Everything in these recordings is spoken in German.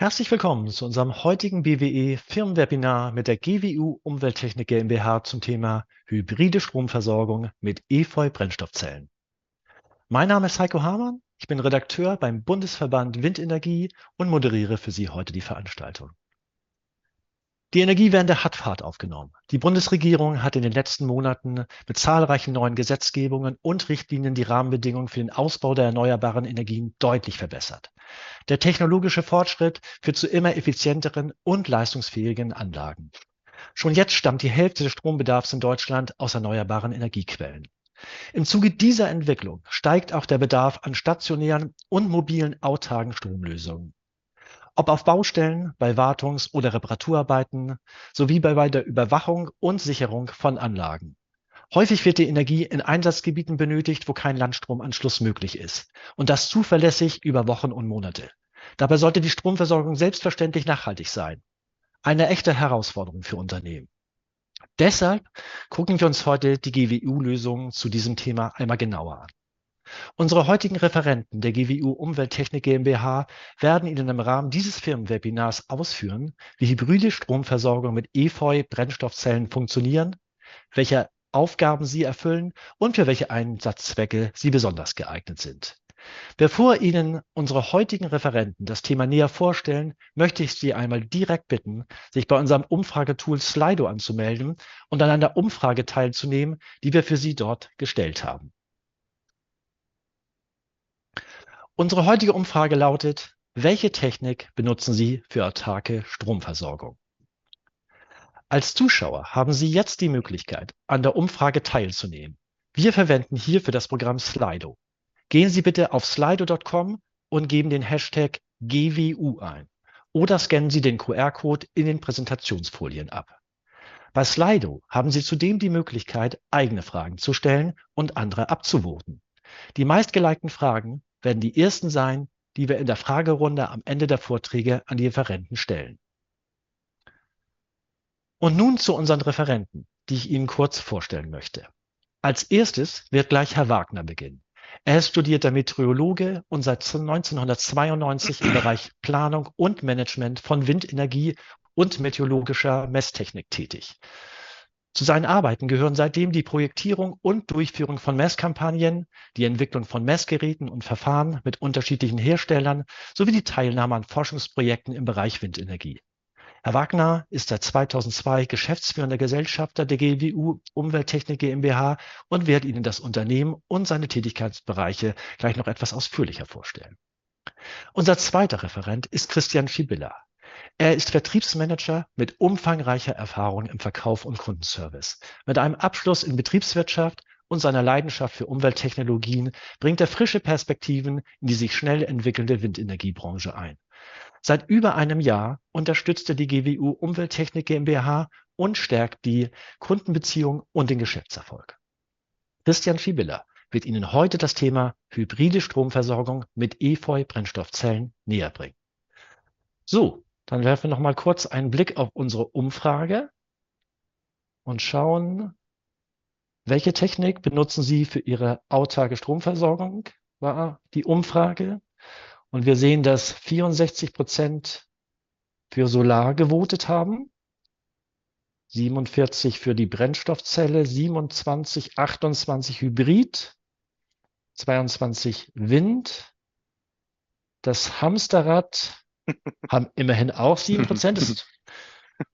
Herzlich willkommen zu unserem heutigen BWE-Firmenwebinar mit der GWU Umwelttechnik GmbH zum Thema "Hybride Stromversorgung mit E-Fuel-Brennstoffzellen". Mein Name ist Heiko Hamann, ich bin Redakteur beim Bundesverband Windenergie und moderiere für Sie heute die Veranstaltung. Die Energiewende hat Fahrt aufgenommen. Die Bundesregierung hat in den letzten Monaten mit zahlreichen neuen Gesetzgebungen und Richtlinien die Rahmenbedingungen für den Ausbau der erneuerbaren Energien deutlich verbessert. Der technologische Fortschritt führt zu immer effizienteren und leistungsfähigeren Anlagen. Schon jetzt stammt die Hälfte des Strombedarfs in Deutschland aus erneuerbaren Energiequellen. Im Zuge dieser Entwicklung steigt auch der Bedarf an stationären und mobilen autarken Stromlösungen. Ob auf Baustellen, bei Wartungs- oder Reparaturarbeiten, sowie bei der Überwachung und Sicherung von Anlagen. Häufig wird die Energie in Einsatzgebieten benötigt, wo kein Landstromanschluss möglich ist und das zuverlässig über Wochen und Monate. Dabei sollte die Stromversorgung selbstverständlich nachhaltig sein. Eine echte Herausforderung für Unternehmen. Deshalb gucken wir uns heute die GWU-Lösungen zu diesem Thema einmal genauer an. Unsere heutigen Referenten der GWU Umwelttechnik GmbH werden Ihnen im Rahmen dieses Firmenwebinars ausführen, wie hybride Stromversorgung mit E-Fuel-Brennstoffzellen funktionieren, welche Aufgaben sie erfüllen und für welche Einsatzzwecke sie besonders geeignet sind. Bevor Ihnen unsere heutigen Referenten das Thema näher vorstellen, möchte ich Sie einmal direkt bitten, sich bei unserem Umfragetool Slido anzumelden und an einer Umfrage teilzunehmen, die wir für Sie dort gestellt haben. Unsere heutige Umfrage lautet: Welche Technik benutzen Sie für autarke Stromversorgung? Als Zuschauer haben Sie jetzt die Möglichkeit, an der Umfrage teilzunehmen. Wir verwenden hierfür das Programm Slido. Gehen Sie bitte auf slido.com und geben den Hashtag GWU ein oder scannen Sie den QR-Code in den Präsentationsfolien ab. Bei Slido haben Sie zudem die Möglichkeit, eigene Fragen zu stellen und andere abzustimmen. Die meist gelikten Fragen werden die ersten sein, die wir in der Fragerunde am Ende der Vorträge an die Referenten stellen. Nun zu unseren Referenten, die ich Ihnen kurz vorstellen möchte. Als Erstes wird gleich Herr Wagner beginnen. Er ist studierter Meteorologe und seit 1992 im Bereich Planung und Management von Windenergie und meteorologischer Messtechnik tätig. Zu seinen Arbeiten gehören seitdem die Projektierung und Durchführung von Messkampagnen, die Entwicklung von Messgeräten und Verfahren mit unterschiedlichen Herstellern sowie die Teilnahme an Forschungsprojekten im Bereich Windenergie. Herr Wagner ist seit 2002 geschäftsführender Gesellschafter der GWU Umwelttechnik GmbH und wird Ihnen das Unternehmen und seine Tätigkeitsbereiche gleich noch etwas ausführlicher vorstellen. Unser zweiter Referent ist Christian Fiebila. Er ist Vertriebsmanager mit umfangreicher Erfahrung im Verkauf und Kundenservice. Mit einem Abschluss in Betriebswirtschaft und seiner Leidenschaft für Umwelttechnologien bringt er frische Perspektiven in die sich schnell entwickelnde Windenergiebranche ein. Seit über einem Jahr unterstützt er die GWU Umwelttechnik GmbH und stärkt die Kundenbeziehung und den Geschäftserfolg. Christian Fiebila wird Ihnen heute das Thema hybride Stromversorgung mit E-Fuel-Brennstoffzellen näherbringen. Dann werfen wir noch mal kurz einen Blick auf unsere Umfrage und schauen: Welche Technik benutzen Sie für Ihre autarke Stromversorgung? War die Umfrage. Wir sehen, dass 64% für Solar gevotet haben, 47% für die Brennstoffzelle, 27%, 28% Hybrid, 22% Wind. Das Hamsterrad haben immerhin auch 7%. Das ist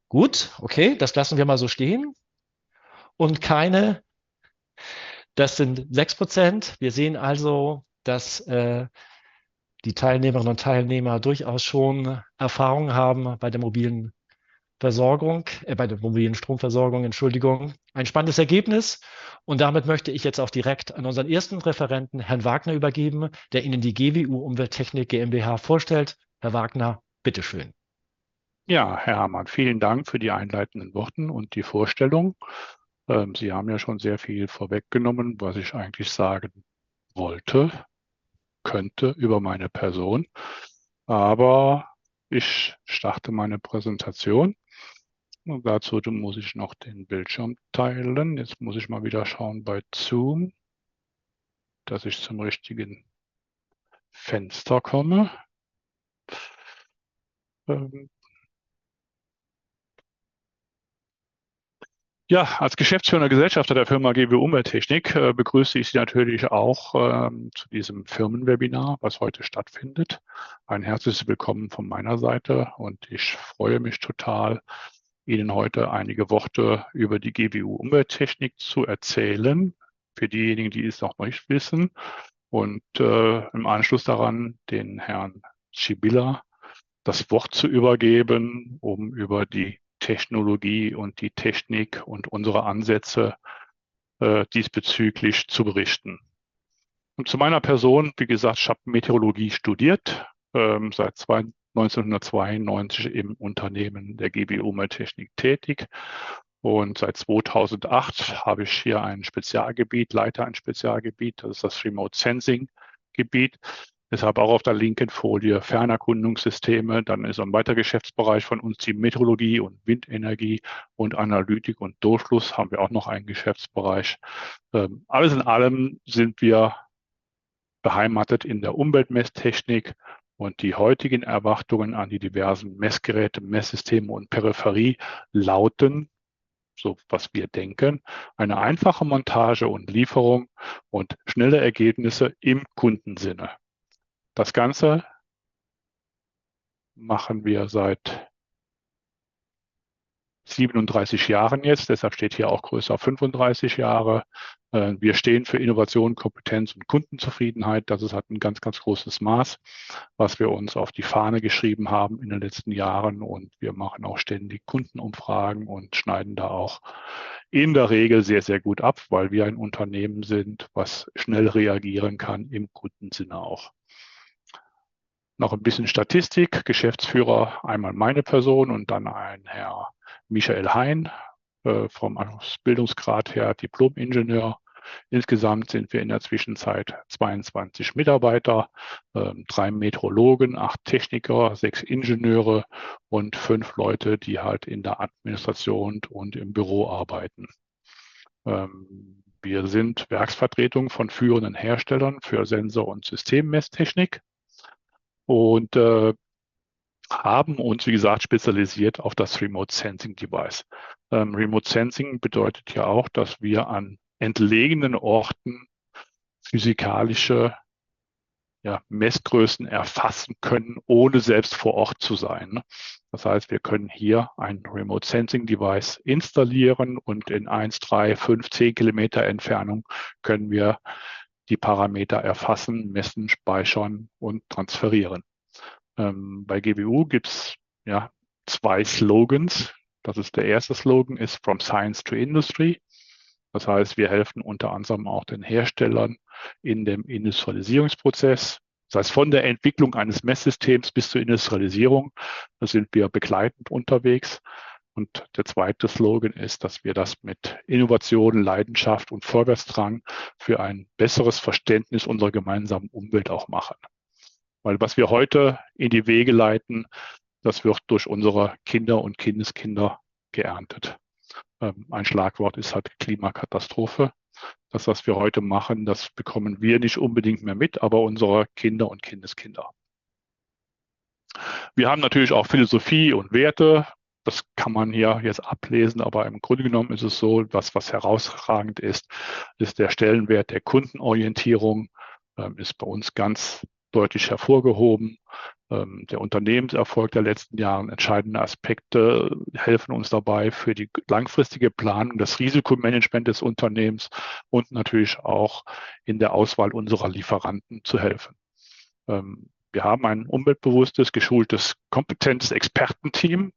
gut. Okay, das lassen wir mal so stehen. Keine, das sind 6%. Wir sehen also, dass die Teilnehmerinnen und Teilnehmer durchaus schon Erfahrung haben bei der mobilen Versorgung, bei der mobilen Stromversorgung. Entschuldigung. Ein spannendes Ergebnis. Damit möchte ich jetzt auch direkt an unseren ersten Referenten, Herrn Wagner, übergeben, der Ihnen die GWU Umwelttechnik GmbH vorstellt. Herr Wagner, bitte schön. Ja, Herr Herrmann, vielen Dank für die einleitenden Worte und die Vorstellung. Sie haben ja schon sehr viel vorweggenommen, was ich eigentlich sagen wollte über meine Person. Aber ich starte meine Präsentation und dazu muss ich noch den Bildschirm teilen. Jetzt muss ich mal wieder schauen bei Zoom, dass ich zum richtigen Fenster komme. Ja, als geschäftsführender Gesellschafter der Firma GWU Umwelttechnik begrüße ich Sie natürlich auch zu diesem Firmenwebinar, was heute stattfindet. Ein herzliches Willkommen von meiner Seite und ich freue mich total, Ihnen heute einige Worte über die GWU Umwelttechnik zu erzählen. Für diejenigen, die es noch nicht wissen und im Anschluss daran, den Herrn Fiebila das Wort zu übergeben, um über die Technologie und die Technik und unsere Ansätze diesbezüglich zu berichten. Zu meiner Person: Wie gesagt, ich habe Meteorologie studiert, seit 1992 im Unternehmen der GWU Umwelttechnik tätig und seit 2008 habe ich hier ein Spezialgebiet, leite ein Spezialgebiet, das ist das Remote-Sensing-Gebiet. Deshalb auch auf der linken Folie Fernerkundungssysteme. Dann ist ein weiterer Geschäftsbereich von uns die Meteorologie und Windenergie und Analytik und Durchfluss haben wir auch noch einen Geschäftsbereich. Alles in allem sind wir beheimatet in der Umweltmesstechnik und die heutigen Erwartungen an die diversen Messgeräte, Messsysteme und Peripherie lauten, so was wir denken: Eine einfache Montage und Lieferung und schnelle Ergebnisse im Kundensinne. Das Ganze machen wir seit 37 Jahren jetzt, deshalb steht hier auch größer 35 Jahre. Wir stehen für Innovation, Kompetenz und Kundenzufriedenheit. Das hat ein ganz, ganz großes Maß, was wir uns auf die Fahne geschrieben haben in den letzten Jahren und wir machen auch ständig Kundenumfragen und schneiden da auch in der Regel sehr, sehr gut ab, weil wir ein Unternehmen sind, was schnell reagieren kann, im Kundensinne auch. Noch ein bisschen Statistik: Geschäftsführer, einmal meine Person und dann ein Herr Michael Hein, vom Bildungsgrad her Diplomingenieur. Insgesamt sind wir in der Zwischenzeit 22 Mitarbeiter, drei Meteorologen, acht Techniker, sechs Ingenieure und fünf Leute, die halt in der Administration und im Büro arbeiten. Wir sind Werksvertretungen von führenden Herstellern für Sensor- und Systemmesstechnik und haben uns, wie gesagt, spezialisiert auf das Remote Sensing Device. Remote Sensing bedeutet ja auch, dass wir an entlegenen Orten physikalische, ja, Messgrößen erfassen können, ohne selbst vor Ort zu sein, ne? Das heißt, wir können hier ein Remote Sensing Device installieren und in eins, drei, fünf, zehn Kilometer Entfernung können wir die Parameter erfassen, messen, speichern und transferieren. Bei GBU gibt es zwei Slogans. Das ist der erste Slogan, ist: "From Science to Industry." Das heißt, wir helfen unter anderem auch den Herstellern in dem Industrialisierungsprozess. Das heißt, von der Entwicklung eines Messsystems bis zur Industrialisierung, da sind wir begleitend unterwegs. Und der zweite Slogan ist, dass wir das mit Innovation, Leidenschaft und Vorwärtsdrang für ein besseres Verständnis unserer gemeinsamen Umwelt auch machen. Weil was wir heute in die Wege leiten, das wird durch unsere Kinder und Kindeskinder geerntet. Ein Schlagwort ist halt Klimakatastrophe. Das, was wir heute machen, das bekommen wir nicht unbedingt mehr mit, aber unsere Kinder und Kindeskinder. Wir haben natürlich auch Philosophie und Werte. Das kann man hier jetzt ablesen, aber im Grunde genommen ist es so: Was herausragend ist, ist der Stellenwert der Kundenorientierung, ist bei uns ganz deutlich hervorgehoben. Der Unternehmenserfolg der letzten Jahren. Entscheidende Aspekte helfen uns dabei, für die langfristige Planung, das Risikomanagement des Unternehmens und natürlich auch in der Auswahl unserer Lieferanten zu helfen. Wir haben ein umweltbewusstes, geschultes Kompetenzexpertenteam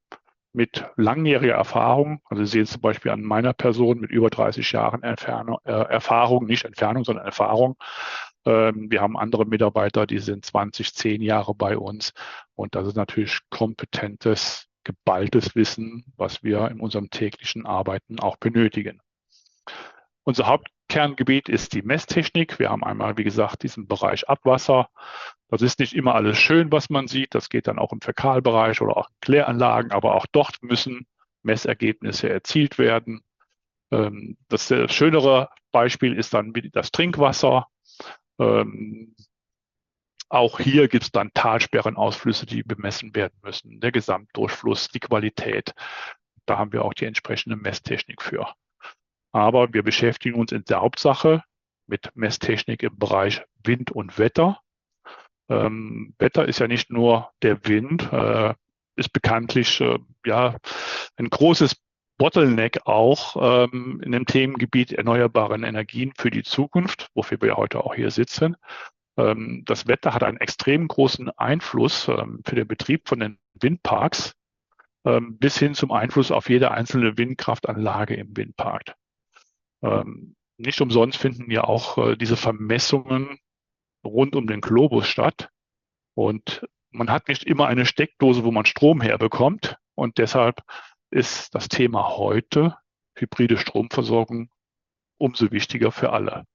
mit langjähriger Erfahrung. Sie sehen es zum Beispiel an meiner Person mit über 30 Jahren Erfahrung. Nicht Entfernung, sondern Erfahrung. Wir haben andere Mitarbeiter, die sind 20, 10 Jahre bei uns und das ist natürlich kompetentes, geballtes Wissen, was wir in unserem täglichen Arbeiten auch benötigen. Unser Hauptkerngebiet ist die Messtechnik. Wir haben einmal, wie gesagt, diesen Bereich Abwasser. Das ist nicht immer alles schön, was man sieht. Das geht dann auch im Fäkalbereich oder auch Kläranlagen, aber auch dort müssen Messergebnisse erzielt werden. Das schönere Beispiel ist dann das Trinkwasser. Auch hier gibt's dann Talsperrenausflüsse, die bemessen werden müssen. Der Gesamtdurchfluss, die Qualität, da haben wir auch die entsprechende Messtechnik für. Aber wir beschäftigen uns in der Hauptsache mit Messtechnik im Bereich Wind und Wetter. Wetter ist ja nicht nur der Wind, ist bekanntlich, ja, ein großes Bottleneck auch, in dem Themengebiet erneuerbaren Energien für die Zukunft, wofür wir heute auch hier sitzen. Das Wetter hat einen extrem großen Einfluss für den Betrieb von den Windparks, bis hin zum Einfluss auf jede einzelne Windkraftanlage im Windpark. Nicht umsonst finden ja auch diese Vermessungen rund den Globus statt und man hat nicht immer eine Steckdose, wo man Strom herbekommt und deshalb ist das Thema heute, hybride Stromversorgung, umso wichtiger für alle.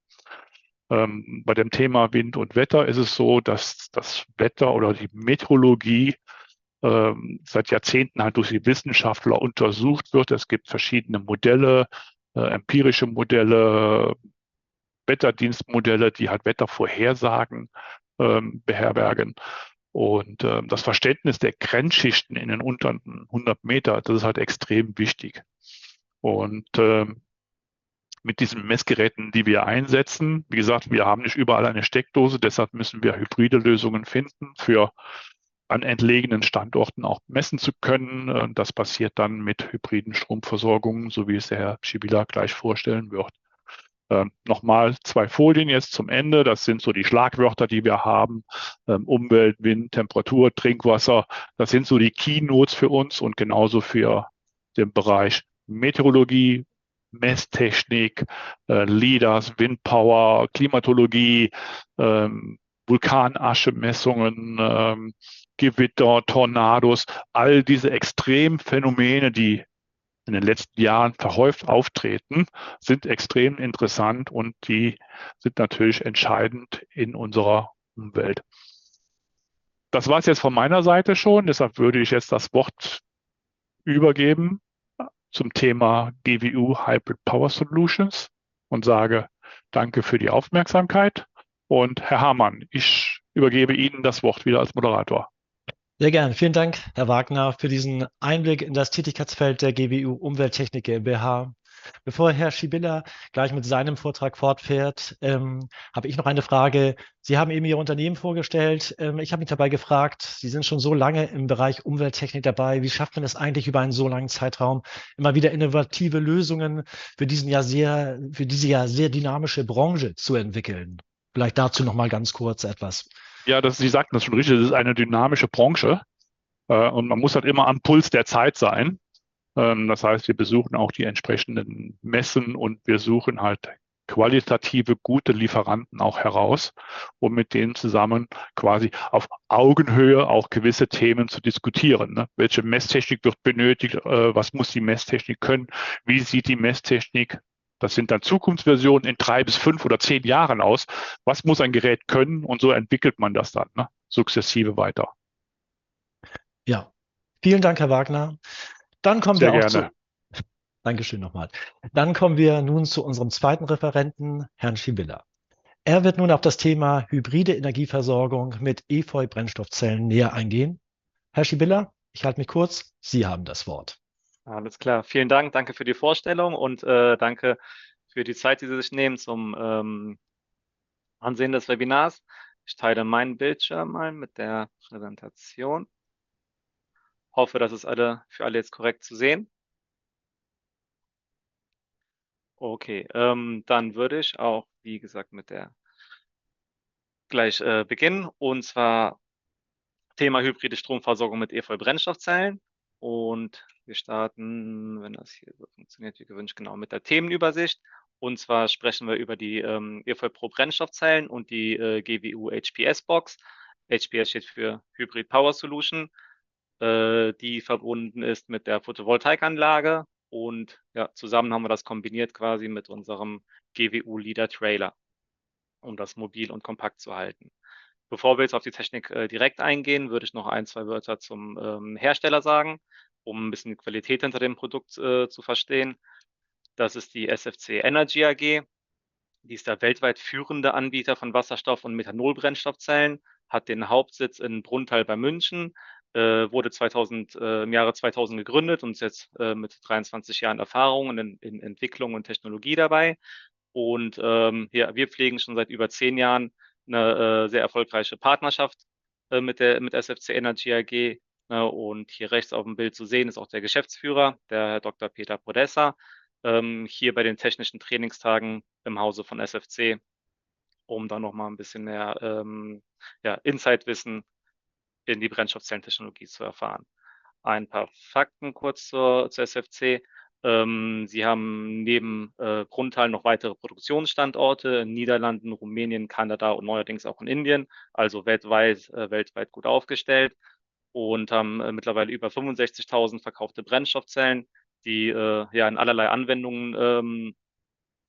Bei dem Thema Wind und Wetter ist es so, dass das Wetter oder die Meteorologie seit Jahrzehnten halt durch die Wissenschaftler untersucht wird. Es gibt verschiedene Modelle, empirische Modelle, Wetterdienstmodelle, die halt Wettervorhersagen beherbergen. Und das Verständnis der Grenzschichten in den unteren hundert Metern, das ist halt extrem wichtig. Und mit diesen Messgeräten, die wir einsetzen... Wie gesagt, wir haben nicht überall eine Steckdose, deshalb müssen wir hybride Lösungen finden, für an entlegenen Standorten auch messen zu können. Das passiert dann mit hybriden Stromversorgungen, so wie es der Herr Shibila gleich vorstellen wird. Noch mal zwei Folien jetzt zum Ende. Das sind so die Schlagwörter, die wir haben: Umwelt, Wind, Temperatur, Trinkwasser. Das sind so die Keynotes für uns und genauso für den Bereich Meteorologie, Messtechnik, Lidars, Windpower, Klimatologie, Vulkanasche, Messungen, Gewitter, Tornados. All diese Extremphänomene, die in den letzten Jahren verhäuft auftreten, sind extrem interessant und die sind natürlich entscheidend in unserer Umwelt. Das war's jetzt von meiner Seite schon, deshalb würde ich jetzt das Wort übergeben zum Thema "GWU Hybrid Power Solutions" und sage danke für die Aufmerksamkeit. Herr Hamann, ich übergebe Ihnen das Wort wieder als Moderator. Sehr gern. Vielen Dank, Herr Wagner, für diesen Einblick in das Tätigkeitsfeld der GWU Umwelttechnik GmbH. Bevor Herr Schibilla gleich mit seinem Vortrag fortfährt, habe ich noch eine Frage: Sie haben eben Ihr Unternehmen vorgestellt. Ich habe mich dabei gefragt: Sie sind schon so lange im Bereich Umwelttechnik dabei. Wie schafft man es eigentlich, über einen so langen Zeitraum immer wieder innovative Lösungen für diese ja sehr dynamische Branche zu entwickeln? Vielleicht dazu noch mal ganz kurz etwas. Ja, Sie sagten das schon richtig, es ist eine dynamische Branche und man muss halt immer am Puls der Zeit sein. Das heißt, wir besuchen auch die entsprechenden Messen und wir suchen halt qualitative, gute Lieferanten auch heraus, um mit denen zusammen quasi auf Augenhöhe auch gewisse Themen zu diskutieren, ne? Welche Messtechnik wird benötigt? Was muss die Messtechnik können? Wie sieht die Messtechnik, das sind dann Zukunftsversionen, in drei bis fünf oder zehn Jahren aus? Was muss ein Gerät können? Und so entwickelt man das dann, ne, sukzessive weiter. Ja, vielen Dank, Herr Wagner. Sehr gerne. Danke schön noch mal. Dann kommen wir nun zu unserem zweiten Referenten, Herrn Schibilla. Er wird nun auf das Thema hybride Energieversorgung mit E-Fuel-Brennstoffzellen näher eingehen. Herr Schibilla, ich halte mich kurz. Sie haben das Wort. Alles klar, vielen Dank. Danke für die Vorstellung und danke für die Zeit, die Sie sich nehmen zum Ansehen des Webinars. Ich teile meinen Bildschirm mal mit der Präsentation. Hoffe, dass es für alle jetzt korrekt zu sehen ist. Okay, dann würde ich auch, wie gesagt, gleich beginnen. Und zwar Thema: Hybride Stromversorgung mit E-Fuel-Brennstoffzellen. Wir starten, wenn das hier so funktioniert wie gewünscht, genau mit der Themenübersicht. Und zwar sprechen wir über die E-Fuel-Brennstoffzellen und die GWU HPS-Box. HPS steht für Hybrid Power Solution, die verbunden ist mit der Photovoltaikanlage. Und ja, zusammen haben wir das kombiniert quasi mit unserem GWU-Leader-Trailer, um das mobil und kompakt zu halten. Bevor wir jetzt auf die Technik direkt eingehen, würde ich noch ein, zwei Wörter zum Hersteller sagen, um ein bisschen die Qualität hinter dem Produkt zu verstehen. Das ist die SFC Energy AG. Die ist der weltweit führende Anbieter von Wasserstoff- und Methanol-Brennstoffzellen, hat den Hauptsitz in Brunnthal bei München, wurde im Jahre 2000 gegründet und ist jetzt mit 23 Jahren Erfahrung in Entwicklung und Technologie dabei. Ja, wir pflegen schon seit über 10 Jahren eine sehr erfolgreiche Partnerschaft mit der SFC Energy AG. Hier rechts auf dem Bild zu sehen ist auch der Geschäftsführer, Herr Dr. Peter Podessa, hier bei den technischen Trainingstagen im Hause von SFC, um da noch mal ein bisschen mehr Insidewissen in die Brennstoffzellentechnologie zu erfahren. Ein paar Fakten kurz zur SFC: Sie haben neben Brunnthal noch weitere Produktionsstandorte in den Niederlanden, Rumänien, Kanada und neuerdings auch in Indien. Also weltweit gut aufgestellt und haben mittlerweile über 65.000 verkaufte Brennstoffzellen, die ja in allerlei Anwendungen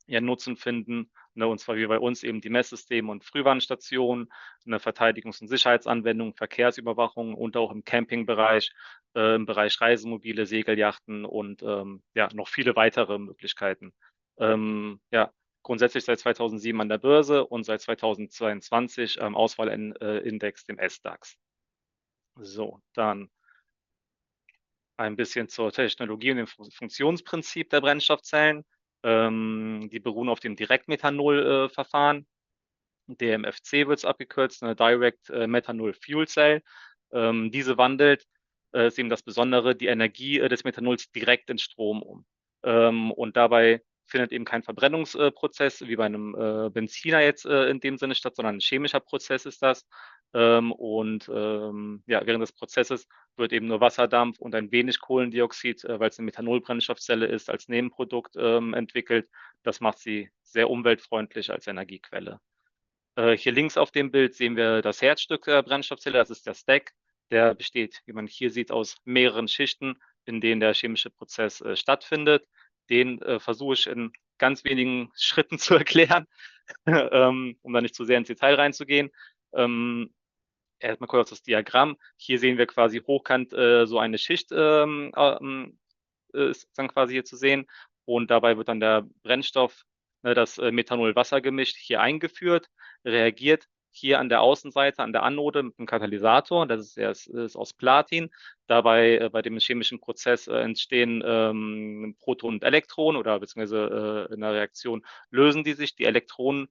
ihren Nutzen finden. Und zwar wie bei uns eben die Messsysteme und Frühwarnstationen, in der Verteidigungs- und Sicherheitsanwendung, Verkehrsüberwachung und auch im Campingbereich, im Bereich Reisemobile, Segeljachten und ja, noch viele weitere Möglichkeiten. Grundsätzlich seit 2007 an der Börse und seit 2022 im Auswahlindex, dem SDAX. Dann ein bisschen zur Technologie und dem Funktionsprinzip der Brennstoffzellen. Die beruhen auf dem Direktmethanol-Verfahren. DMFC wird's abgekürzt, eine Direct Methanol Fuel Cell. Diese wandelt, ist eben das Besondere, die Energie des Methanols direkt in Strom um. Und dabei findet eben kein Verbrennungsprozess wie bei einem Benziner jetzt in dem Sinne statt, sondern ein chemischer Prozess ist das. Und ja, während des Prozesses wird eben nur Wasserdampf und ein wenig Kohlendioxid, weil es eine Methanol-Brennstoffzelle ist, als Nebenprodukt entwickelt. Das macht sie sehr umweltfreundlich als Energiequelle. Hier links auf dem Bild sehen wir das Herzstück der Brennstoffzelle. Das ist der Stack. Der besteht, wie man hier sieht, aus mehreren Schichten, in denen der chemische Prozess stattfindet. Den versuche ich in ganz wenigen Schritten zu erklären, um da nicht zu sehr ins Detail reinzugehen. Erst mal kurz das Diagramm. Hier sehen wir quasi hochkant so eine Schicht, ist dann quasi hier zu sehen und dabei wird dann der Brennstoff, ne, das Methanol-Wasser-Gemisch, hier eingeführt, reagiert hier an der Außenseite, an der Anode, mit dem Katalysator, das ist aus Platin. Dabei bei dem chemischen Prozess entstehen Protonen und Elektronen, beziehungsweise in der Reaktion lösen die sich. Die Elektronen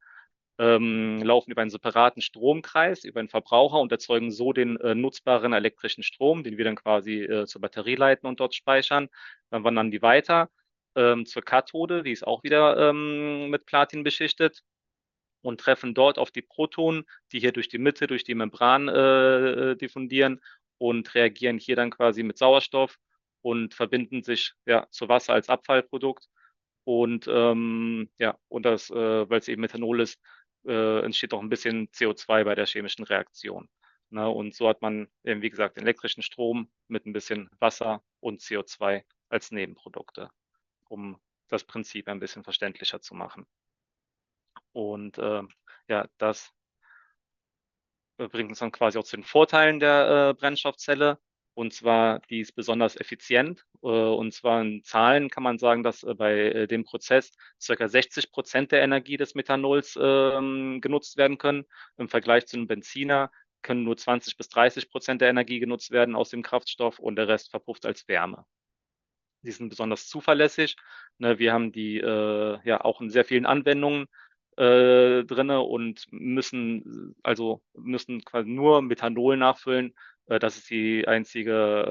laufen über einen separaten Stromkreis, über einen Verbraucher und erzeugen so den nutzbaren elektrischen Strom, den wir dann quasi zur Batterie leiten und dort speichern. Dann wandern die weiter zur Kathode, die ist auch wieder mit Platin beschichtet, und treffen dort auf die Protonen, die hier durch die Mitte, durch die Membran diffundieren und reagieren hier dann quasi mit Sauerstoff und verbinden sich zu Wasser als Abfallprodukt. Und ja, und das, weil es eben Methanol ist, entsteht auch ein bisschen CO₂ bei der chemischen Reaktion. Und so hat man, wie gesagt, elektrischen Strom mit ein bisschen Wasser und CO₂ als Nebenprodukte, um das Prinzip ein bisschen verständlicher zu machen. Ja, das bringt uns dann quasi auch zu den Vorteilen der Brennstoffzelle. Die ist besonders effizient. In Zahlen kann man sagen, dass bei dem Prozess circa 60% der Energie des Methanols genutzt werden können. Im Vergleich zu einem Benziner können nur 20% bis 30% der Energie genutzt werden aus dem Kraftstoff und der Rest verpufft als Wärme. Die sind besonders zuverlässig, ne? Wir haben die auch in sehr vielen Anwendungen drinne und müssen also quasi nur Methanol nachfüllen. Das ist die einzige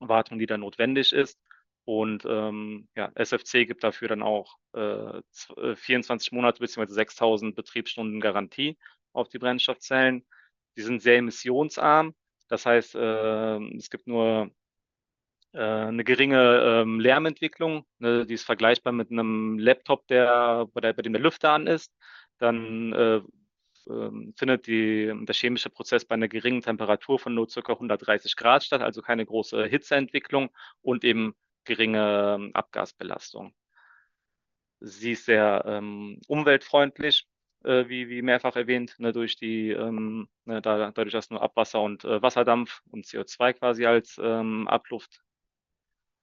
Wartung, die da notwendig ist. SFC gibt dafür dann auch 24 Monate beziehungsweise 6.000 Betriebsstunden Garantie auf die Brennstoffzellen. Die sind sehr emissionsarm. Das heißt, es gibt nur 'ne geringe Lärmentwicklung, ne? Die ist vergleichbar mit einem Laptop, bei dem der Lüfter an ist. Der chemische Prozess findet bei einer geringen Temperatur von nur circa 130 Grad statt, also keine große Hitzeentwicklung und eben geringe Abgasbelastung. Sie ist sehr umweltfreundlich, wie mehrfach erwähnt, dadurch, dass nur Abwasser und Wasserdampf und CO₂ quasi als Abluft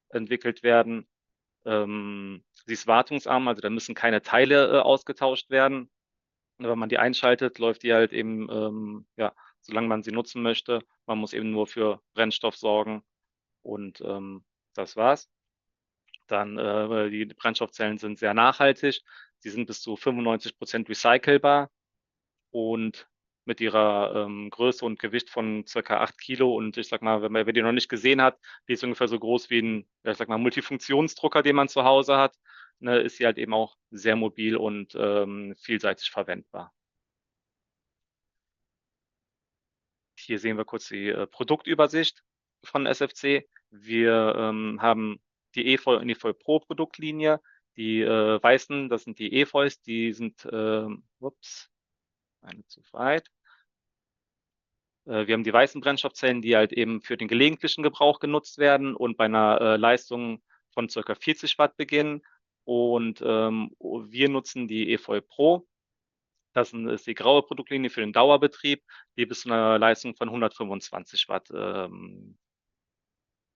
entwickelt werden. Sie ist wartungsarm, also da müssen keine Teile ausgetauscht werden. Wenn man die einschaltet, läuft die halt eben, ja, solange man sie nutzen möchte. Man muss eben nur für Brennstoff sorgen und das war's. Die Brennstoffzellen sind sehr nachhaltig. Sie sind bis zu 95% recycelbar und mit ihrer Größe und Gewicht von circa acht Kilo und ich sag mal, wenn man die noch nicht gesehen hat, die ist ungefähr so groß wie ein, ja, ich sag mal, Multifunktionsdrucker, den man zu Hause hat, ne, ist sie halt eben auch sehr mobil und vielseitig verwendbar. Hier sehen wir kurz die Produktübersicht von SFC. Wir haben die EFOY und EFOY-Pro-Produktlinie. Die weißen, das sind die EFOYs, die sind für den gelegentlichen Gebrauch genutzt werden und bei einer Leistung von circa 40 Watt beginnen. Wir nutzen die EFOY Pro. Das sind, ist die graue Produktlinie für den Dauerbetrieb, die bis zu einer Leistung von 125 Watt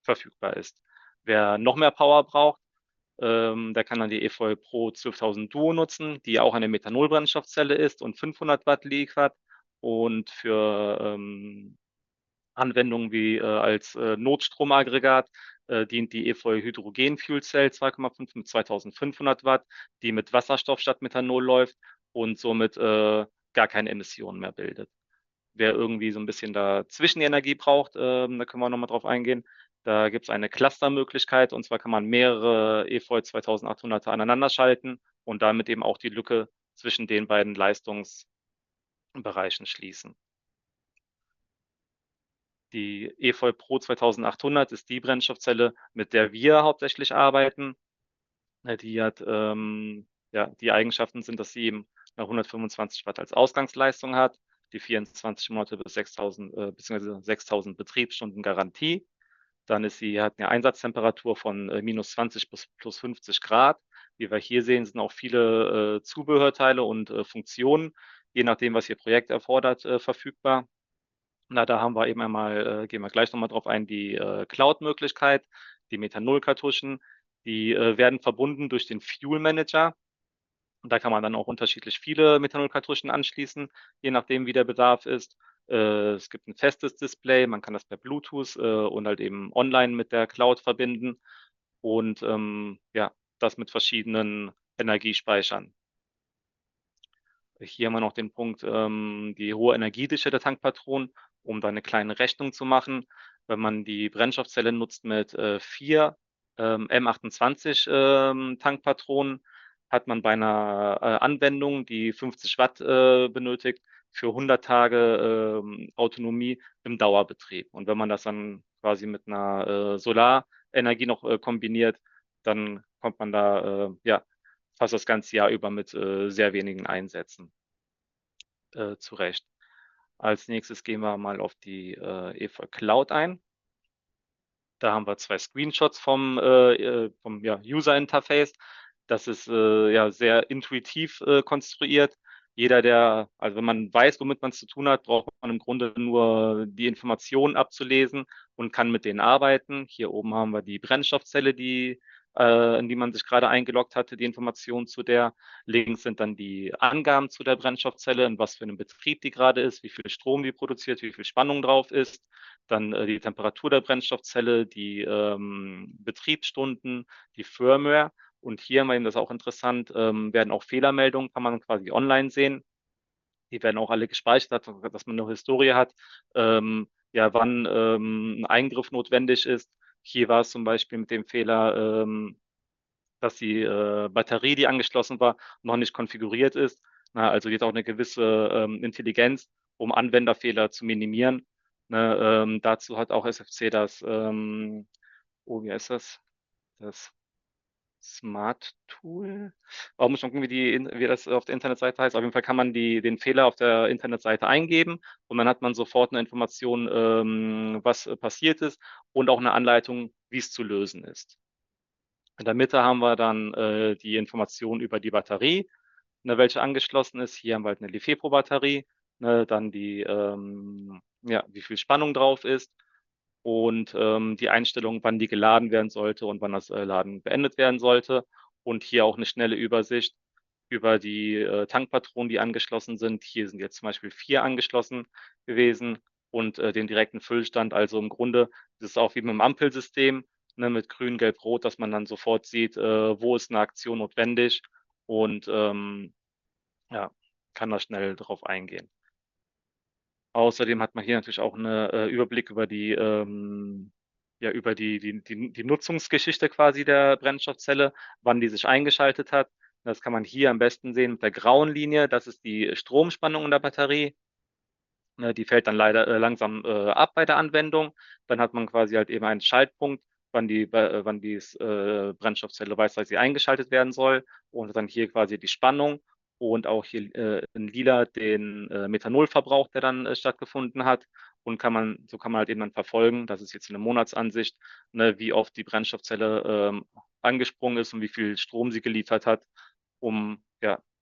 verfügbar ist. Wer noch mehr Power braucht, der kann dann die EFOY Pro 12.000 Duo nutzen, die auch eine Methanol-Brennstoffzelle ist und 500 Watt liefert. Und für Anwendungen wie als Notstromaggregat dient die EFOY Hydrogen Fuel Cell 2.5 mit 2.500 Watt, die mit Wasserstoff statt Methanol läuft und somit gar keine Emissionen mehr bildet. Wer irgendwie so ein bisschen da Zwischenenergie braucht, da können wir noch mal drauf eingehen. Da gibt's eine Clustermöglichkeit und zwar kann man mehrere EFOY 2.800er aneinander schalten und damit eben auch die Lücke zwischen den beiden Leistungsbereichen schließen. Die EFOY Pro 2.800 ist die Brennstoffzelle, mit der wir hauptsächlich arbeiten. Die hat, ja, die Eigenschaften sind, dass sie eben 125 Watt als Ausgangsleistung hat, die 24 Monate bis 6.000 beziehungsweise 6.000 Betriebsstunden Garantie. Dann ist sie, hat eine Einsatztemperatur von minus zwanzig bis plus fünfzig Grad. Wie wir hier sehen, sind auch viele Zubehörteile und Funktionen, je nachdem, was Ihr Projekt erfordert, verfügbar. Da haben wir eben einmal, gehen wir gleich noch mal drauf ein, die Cloud-Möglichkeit, die Methanolkartuschen. Die werden verbunden durch den Fuel Manager und da kann man dann auch unterschiedlich viele Methanolkartuschen anschließen, je nachdem, wie der Bedarf ist. Es gibt ein festes Display. Man kann das per Bluetooth und halt eben online mit der Cloud verbinden und ja, das mit verschiedenen Energiespeichern. Hier haben wir noch den Punkt: Die hohe Energiedichte der Tankpatronen, um da eine kleine Rechnung zu machen. Wenn man die Brennstoffzelle nutzt mit vier M-28 Tankpatronen, hat man bei einer Anwendung, die 50 Watt benötigt, für 100 Tage Autonomie im Dauerbetrieb. Wenn man das dann quasi mit einer Solarenergie noch kombiniert, dann kommt man da ja fast das ganze Jahr über mit sehr wenigen Einsätzen zurecht. Als Nächstes gehen wir mal auf die EFOY Cloud ein. Da haben wir zwei Screenshots vom User Interface. Das ist ja sehr intuitiv konstruiert. Jeder, der... Also, wenn man weiß, womit man es zu tun hat, braucht man im Grunde nur die Informationen abzulesen und kann mit denen arbeiten. Hier oben haben wir die Brennstoffzelle, in die man sich gerade eingeloggt hatte, die Informationen zu der. Links sind dann die Angaben zu der Brennstoffzelle, in was für einem Betrieb die gerade ist, wie viel Strom die produziert, wie viel Spannung drauf ist. Dann die Temperatur der Brennstoffzelle, die Betriebsstunden, die Firmware. Und hier haben wir, das ist auch interessant, werden auch Fehlermeldungen, kann man quasi online sehen. Die werden auch alle gespeichert, dass man eine Historie hat, ja, wann ein Eingriff notwendig ist. Hier war es zum Beispiel mit dem Fehler, dass die Batterie, die angeschlossen war, noch nicht konfiguriert ist. Ne, also gibt auch eine gewisse Intelligenz, um Anwenderfehler zu minimieren, ne. Dazu hat auch SFC das, oh, wie heißt das? Das Smart Tool. Da muss man gucken, wie die, wie das auf der Internetseite heißt. Auf jeden Fall kann man den Fehler auf der Internetseite eingeben und dann hat man sofort eine Information, was passiert ist und auch eine Anleitung, wie es zu lösen ist. In der Mitte haben wir dann die Informationen über die Batterie, welche angeschlossen ist. Hier haben wir halt eine LiFePO-Batterie, dann die, ja, wie viel Spannung drauf ist und die Einstellung, wann die geladen werden sollte und wann das Laden beendet werden sollte. Hier auch eine schnelle Übersicht über die Tankpatronen, die angeschlossen sind. Hier sind jetzt zum Beispiel vier angeschlossen gewesen und den direkten Füllstand. Also im Grunde ist es auch wie mit dem Ampelsystem, mit grün, gelb, rot, dass man dann sofort sieht, wo ist eine Aktion notwendig und, ja, kann da schnell drauf eingehen. Außerdem hat man hier natürlich auch eine Überblick über die Nutzungsgeschichte quasi der Brennstoffzelle, wann die sich eingeschaltet hat. Das kann man hier am besten sehen mit der grauen Linie. Das ist die Stromspannung in der Batterie. Die fällt dann leider langsam ab bei der Anwendung. Dann hat man quasi halt eben einen Schaltpunkt, wann die Brennstoffzelle weiß, dass sie eingeschaltet werden soll und dann hier quasi die Spannung und auch hier in Lila den Methanolverbrauch, der dann stattgefunden hat. Und kann man, so kann man halt eben dann verfolgen, das ist jetzt eine Monatsansicht, wie oft die Brennstoffzelle angesprungen ist und wie viel Strom sie geliefert hat, um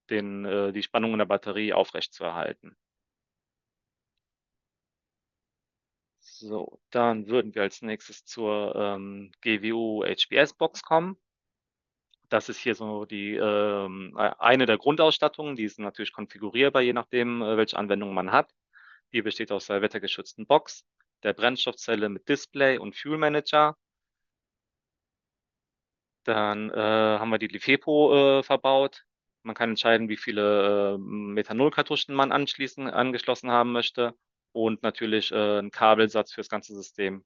den, die Spannung in der Batterie aufrechtzuerhalten. Dann würden wir als Nächstes zur GWU HPS-Box kommen. Das ist hier so die eine der Grundausstattungen. Die ist natürlich konfigurierbar, je nachdem, welche Anwendungen man hat. Die besteht aus der wettergeschützten Box, der Brennstoffzelle mit Display und Fuel Manager. Dann haben wir die LiFePO verbaut. Man kann entscheiden, wie viele Methanolkartuschen man anschließend angeschlossen haben möchte und natürlich ein Kabelsatz fürs ganze System,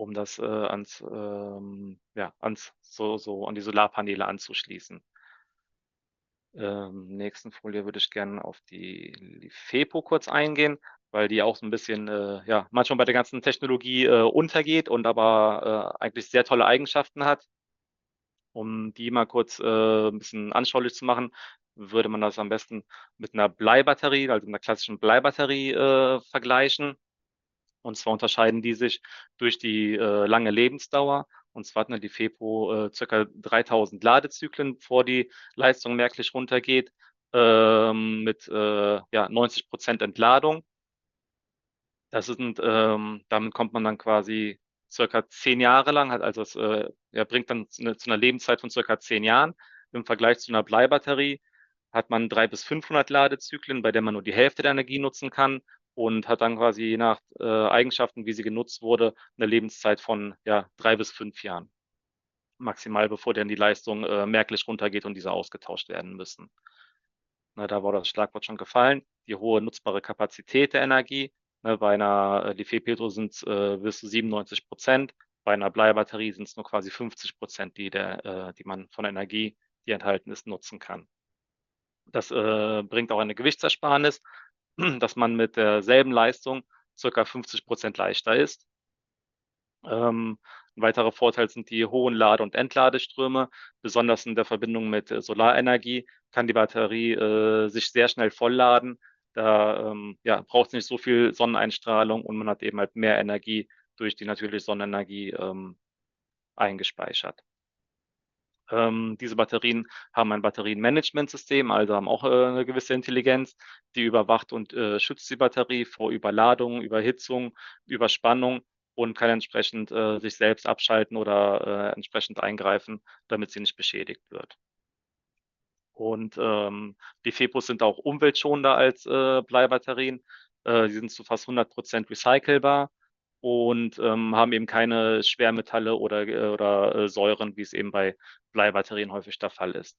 um das ans, ja, an die Solarpaneele anzuschließen. In der nächsten Folie würde ich gerne auf die LiFePO kurz eingehen, weil die auch so ein bisschen, ja manchmal bei der ganzen Technologie untergeht und aber eigentlich sehr tolle Eigenschaften hat. Um die mal kurz ein bisschen anschaulich zu machen, würde man das am besten mit einer Blei-Batterie, also mit einer klassischen Blei-Batterie vergleichen. Und zwar unterscheiden die sich durch die lange Lebensdauer. Und zwar hat eine LiFePO circa 3.000 Ladezyklen, bevor die Leistung merklich runtergeht, mit 90% Entladung. Das sind, damit kommt man dann quasi circa 10 Jahre lang, hat also eine Lebenszeit von circa 10 Jahren. Im Vergleich zu einer Blei-Batterie hat man 300 bis 500 Ladezyklen, bei der man nur die Hälfte der Energie nutzen kann und hat dann quasi, je nach Eigenschaften, wie sie genutzt wurde, eine Lebenszeit von 3 bis 5 Jahren maximal, bevor dann die Leistung merklich runtergeht und diese ausgetauscht werden müssen. Da war das Schlagwort schon gefallen: Die hohe nutzbare Kapazität der Energie. Bei einer LiFePO sind's bis zu 97%. Bei einer Blei-Batterie sind es nur quasi 50%, die man von der Energie, die enthalten ist, nutzen kann. Das bringt auch eine Gewichtsersparnis, dass man mit derselben Leistung circa 50% leichter ist. Ein weiterer Vorteil sind die hohen Lade- und Entladeströme. Besonders in der Verbindung mit Solarenergie kann die Batterie sich sehr schnell vollladen. Da braucht's nicht so viel Sonneneinstrahlung und man hat eben halt mehr Energie durch die natürliche Sonnenenergie eingespeichert. Diese Batterien haben ein Batteriemanagementsystem, also haben auch eine gewisse Intelligenz. Die überwacht und schützt die Batterie vor Überladung, Überhitzung, Überspannung und kann entsprechend sich selbst abschalten oder entsprechend eingreifen, damit sie nicht beschädigt wird. LiFePOs sind auch umweltschonender als Blei-Batterien. Die sind zu fast 100% recycelbar und haben eben keine Schwermetalle oder Säuren, wie es eben bei Blei-Batterien häufig der Fall ist.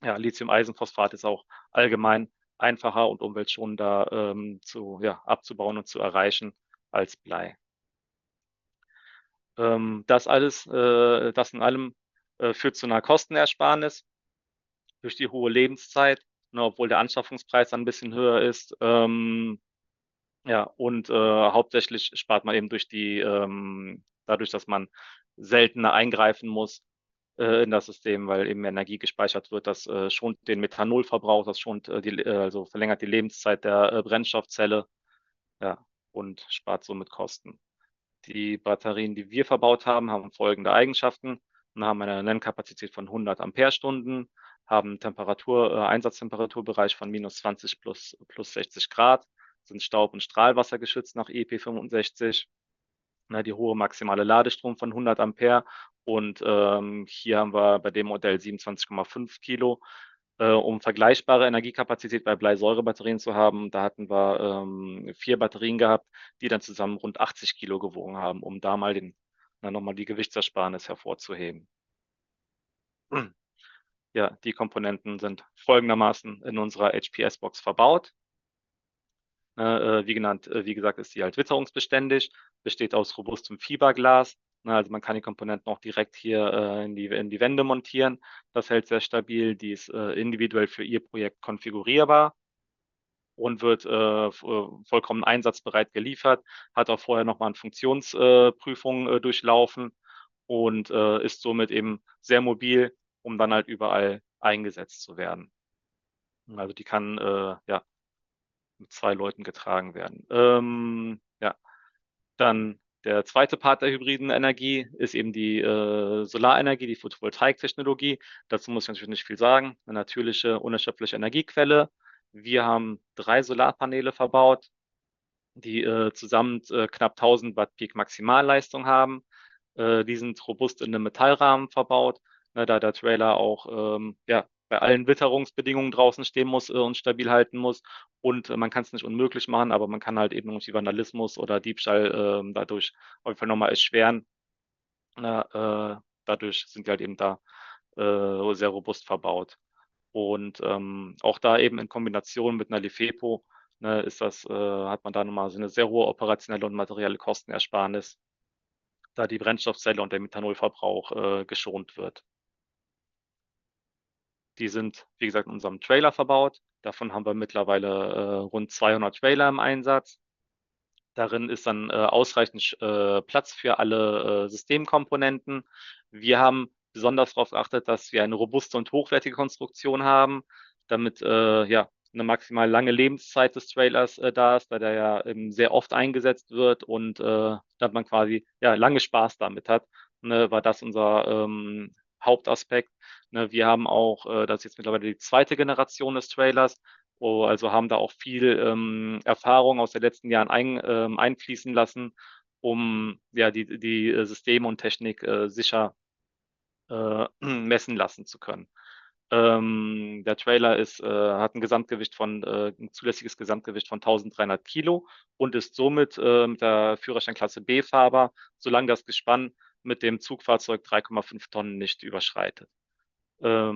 Lithium-Eisenphosphat ist auch allgemein einfacher und umweltschonender zu abzubauen und zu erreichen als Blei. Das alles führt zu einer Kostenersparnis durch die hohe Lebenszeit, obwohl der Anschaffungspreis dann ein bisschen höher ist. Hauptsächlich spart man eben dadurch, dass man seltener eingreifen muss in das System, weil eben mehr Energie gespeichert wird. Das schont den Methanolverbrauch, das schont die, so verlängert die Lebenszeit der Brennstoffzelle und spart somit Kosten. Die Batterien, die wir verbaut haben, haben folgende Eigenschaften: Sie haben eine Nennkapazität von 100 Ampere-Stunden, haben Temperatur, Einsatztemperaturbereich von minus 20 plus, plus 60 Grad, sind Staub- und Strahlwassergeschützt nach IP 65. Die hohe maximale Ladestrom von 100 Ampere und hier haben wir bei dem Modell 27,5 Kilo. Um vergleichbare Energiekapazität bei Blei-Säure-Batterien zu haben, da hatten wir vier Batterien gehabt, die dann zusammen rund 80 Kilo gewogen haben, um da mal die Gewichtsersparnis hervorzuheben. Die Komponenten sind folgendermaßen in unserer HPS-Box verbaut: Wie gesagt, ist die halt witterungsbeständig, besteht aus robustem Fiberglas. Man kann die Komponenten auch direkt hier in die Wände montieren. Das hält sehr stabil. Die ist individuell für ihr Projekt konfigurierbar und wird vollkommen einsatzbereit geliefert, hat auch vorher noch mal eine Funktionsprüfung durchlaufen und ist somit eben sehr mobil, um dann halt überall eingesetzt zu werden. Die kann mit zwei Leuten getragen werden. Der zweite Part der hybriden Energie ist eben die Solarenergie, die Photovoltaik-Technologie. Dazu muss ich natürlich nicht viel sagen: eine natürliche, unerschöpfliche Energiequelle. Wir haben drei Solarpaneele verbaut, die zusammen knapp 1.000 Watt Peak Maximalleistung haben. Die sind robust in einem Metallrahmen verbaut, da der Trailer auch bei allen Witterungsbedingungen draußen stehen muss und stabil halten muss. Man kann es nicht unmöglich machen, aber man kann halt irgendwie Vandalismus oder Diebstahl dadurch auf jeden Fall noch mal erschweren. Dadurch sind die halt da sehr robust verbaut. Auch da in Kombination mit einer LiFePO hat man da noch mal eine sehr hohe operationelle und materielle Kostenersparnis, da die Brennstoffzelle und der Methanolverbrauch geschont wird. Die sind, wie gesagt, in unserem Trailer verbaut. Davon haben wir mittlerweile rund 200 Trailer im Einsatz. Darin ist dann ausreichend Platz für alle Systemkomponenten. Wir haben besonders darauf geachtet, dass wir eine robuste und hochwertige Konstruktion haben, damit eine maximal lange Lebenszeit des Trailers da ist, weil der ja eben sehr oft eingesetzt wird und dass man quasi lange Spaß damit hat, war das unser Hauptaspekt. Wir haben auch, das ist jetzt mittlerweile die zweite Generation des Trailers, wo also haben da auch viel Erfahrung aus den letzten Jahren einfließen lassen, um ja die System und Technik sicher messen lassen zu können. Der Trailer hat ein Gesamtgewicht von, ein zulässiges Gesamtgewicht von 1.300 Kilo und ist somit mit der Führerscheinklasse B fahrbar, solange das Gespann mit dem Zugfahrzeug 3,5 Tonnen nicht überschreitet. Er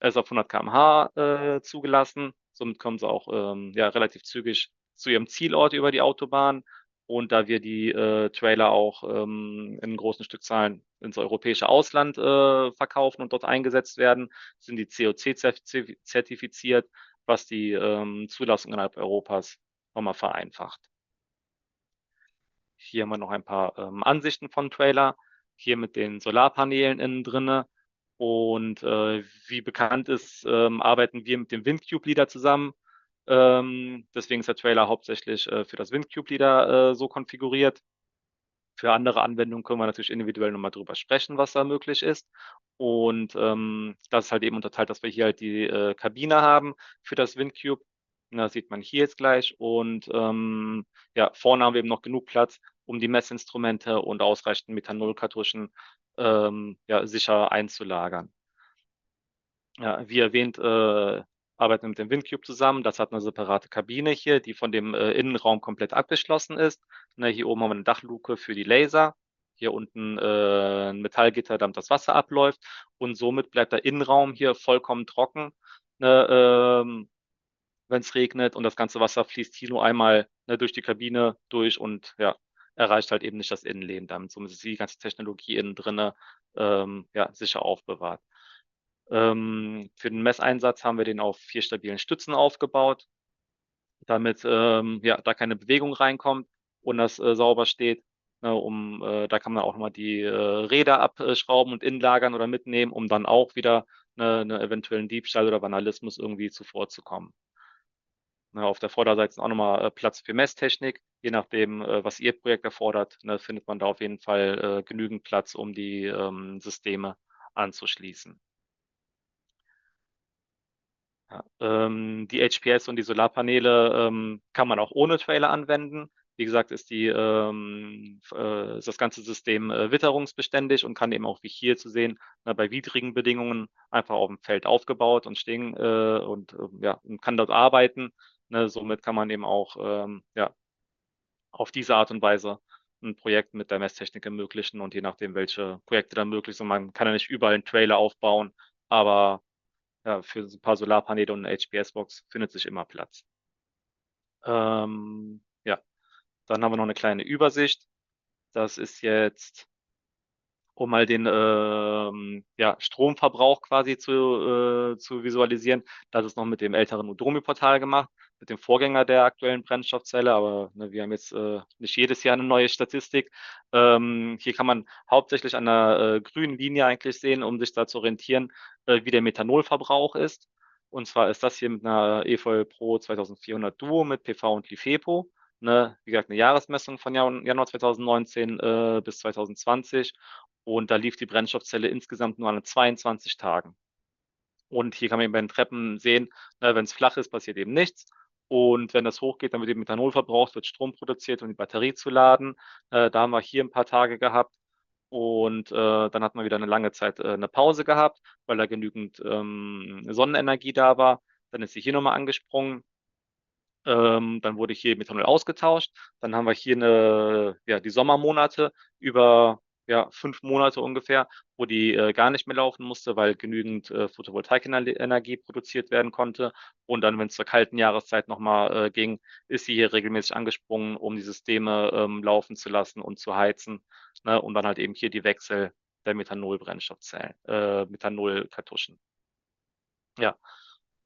ist auf 100 km/h zugelassen. Somit kommen Sie auch relativ zügig zu Ihrem Zielort über die Autobahn. Und da wir die Trailer auch in großen Stückzahlen ins europäische Ausland verkaufen und dort eingesetzt werden, sind die COC-zertifiziert, was die Zulassung innerhalb Europas noch mal vereinfacht. Hier haben wir noch ein paar Ansichten vom Trailer. Hier mit den Solarpaneelen innen drinnen und, wie bekannt ist, arbeiten wir mit dem Wind Cube Leader zusammen. Deswegen ist der Trailer hauptsächlich für das Wind Cube Leader so konfiguriert. Für andere Anwendungen können wir natürlich individuell noch mal drüber sprechen, was da möglich ist. Und das ist halt eben unterteilt, dass wir hier halt die Kabine haben für das Wind Cube. Na, sieht man hier jetzt gleich. Vorne haben wir eben noch genug Platz, um die Messinstrumente und ausreichend Methanolkartuschen sicher einzulagern. Wie erwähnt, arbeiten wir mit dem Wind Cube zusammen. Das hat eine separate Kabine hier, die von dem Innenraum komplett abgeschlossen ist. Hier oben haben wir eine Dachluke für die Laser, hier unten ein Metallgitter, damit das Wasser abläuft und somit bleibt der Innenraum hier vollkommen trocken. Wenn es regnet und das ganze Wasser fließt hier nur einmal durch die Kabine durch und erreicht halt eben nicht das Innenleben. Damit ist somit die ganze Technologie innen drinnen sicher aufbewahrt. Für den Messeinsatz haben wir den auf vier stabilen Stützen aufgebaut, damit da keine Bewegung reinkommt und das sauber steht. Da kann man auch mal die Räder abschrauben und innen lagern oder mitnehmen, um dann auch wieder einem eventuellen Diebstahl oder Vandalismus irgendwie zuvorzukommen. Auf der Vorderseite ist auch noch mal Platz für Messtechnik. Je nachdem, was Ihr Projekt erfordert, findet man da auf jeden Fall genügend Platz, um die Systeme anzuschließen. Die HPS und die Solarpaneele kann man auch ohne Trailer anwenden. Wie gesagt, ist das ganze System witterungsbeständig und kann eben auch, wie hier zu sehen, bei widrigen Bedingungen einfach auf dem Feld aufgebaut und stehen und kann dort arbeiten. Somit kann man eben auch auf diese Art und Weise ein Projekt mit der Messtechnik ermöglichen und je nachdem, welche Projekte dann möglich sind. Man kann ja nicht überall einen Trailer aufbauen, aber ja, für so ein paar Solarpaneele und 'ne HPS-Box findet sich immer Platz. Ja, dann haben wir noch eine kleine Übersicht. Das ist jetzt, um mal den Stromverbrauch quasi zu visualisieren. Das ist noch mit dem älteren Modulmi-Portal gemacht, mit dem Vorgänger der aktuellen Brennstoffzelle. Aber ne, wir haben jetzt nicht jedes Jahr eine neue Statistik. Hier kann man hauptsächlich an der grünen Linie eigentlich sehen, um sich da zu orientieren, wie der Methanolverbrauch ist. Und zwar ist das hier mit einer EFOY Pro 2400 Duo mit PV und LiFePO. Ne, wie gesagt, eine Jahresmessung von Januar 2019 bis 2020. Und da lief die Brennstoffzelle insgesamt nur an 22 Tagen. Und hier kann man bei den Treppen sehen, ne, wenn's flach ist, passiert eben nichts. Wenn das hochgeht, dann wird eben Methanol verbraucht, wird Strom produziert, um die Batterie zu laden. Da haben wir hier ein paar Tage gehabt und dann hat man wieder eine lange Zeit eine Pause gehabt, weil da genügend Sonnenenergie da war. Dann ist sie hier noch mal angesprungen, dann wurde hier Methanol ausgetauscht. Dann haben wir hier die Sommermonate über, ja fünf Monate ungefähr, wo die gar nicht mehr laufen musste, weil genügend Photovoltaik-Energie produziert werden konnte. Wenn es zur kalten Jahreszeit noch mal ging, ist sie hier regelmäßig angesprungen, um die Systeme laufen zu lassen und zu heizen, ne? Dann halt eben hier die Wechsel der Methanol-Brennstoffzellen, Methanolkartuschen. Ja,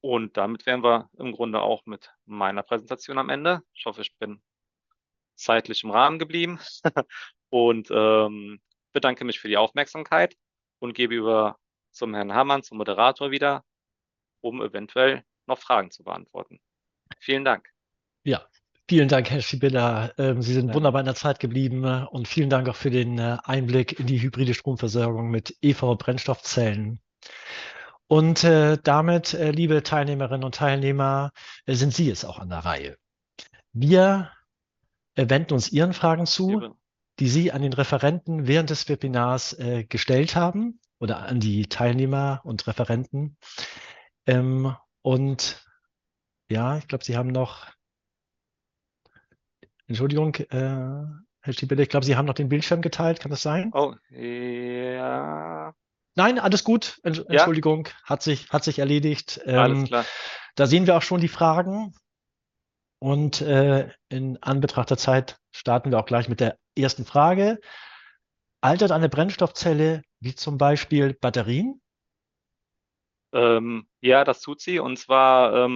und damit wären wir im Grunde auch mit meiner Präsentation am Ende. Ich hoffe, ich bin... Zeitlich im Rahmen geblieben und bedanke mich für die Aufmerksamkeit und gebe über zum Herrn Herrmann, zum Moderator wieder, um eventuell noch Fragen zu beantworten. Vielen Dank! Ja, vielen Dank, Herr Stibiller. Sie sind wunderbar in der Zeit geblieben und vielen Dank auch für den Einblick in die hybride Stromversorgung mit EV-Brennstoffzellen. Und damit, liebe Teilnehmerinnen und Teilnehmer, sind Sie jetzt auch an der Reihe. Wir wenden uns Ihren Fragen zu. Gerne. Die Sie an den Referenten während des Webinars gestellt haben oder an die Teilnehmer und Referenten. Und ja, ich glaub, Sie haben noch... Entschuldigung, Herr Stibiller, ich glaub, Sie haben noch den Bildschirm geteilt. Kann das sein? Oh, ja. Nein, alles gut. Ja. Entschuldigung, hat sich erledigt. Alles klar. Da sehen wir auch schon die Fragen und in Anbetracht der Zeit starten wir auch gleich mit der ersten Frage: Altert eine Brennstoffzelle, wie zum Beispiel Batterien? Ja, das tut sie. Und zwar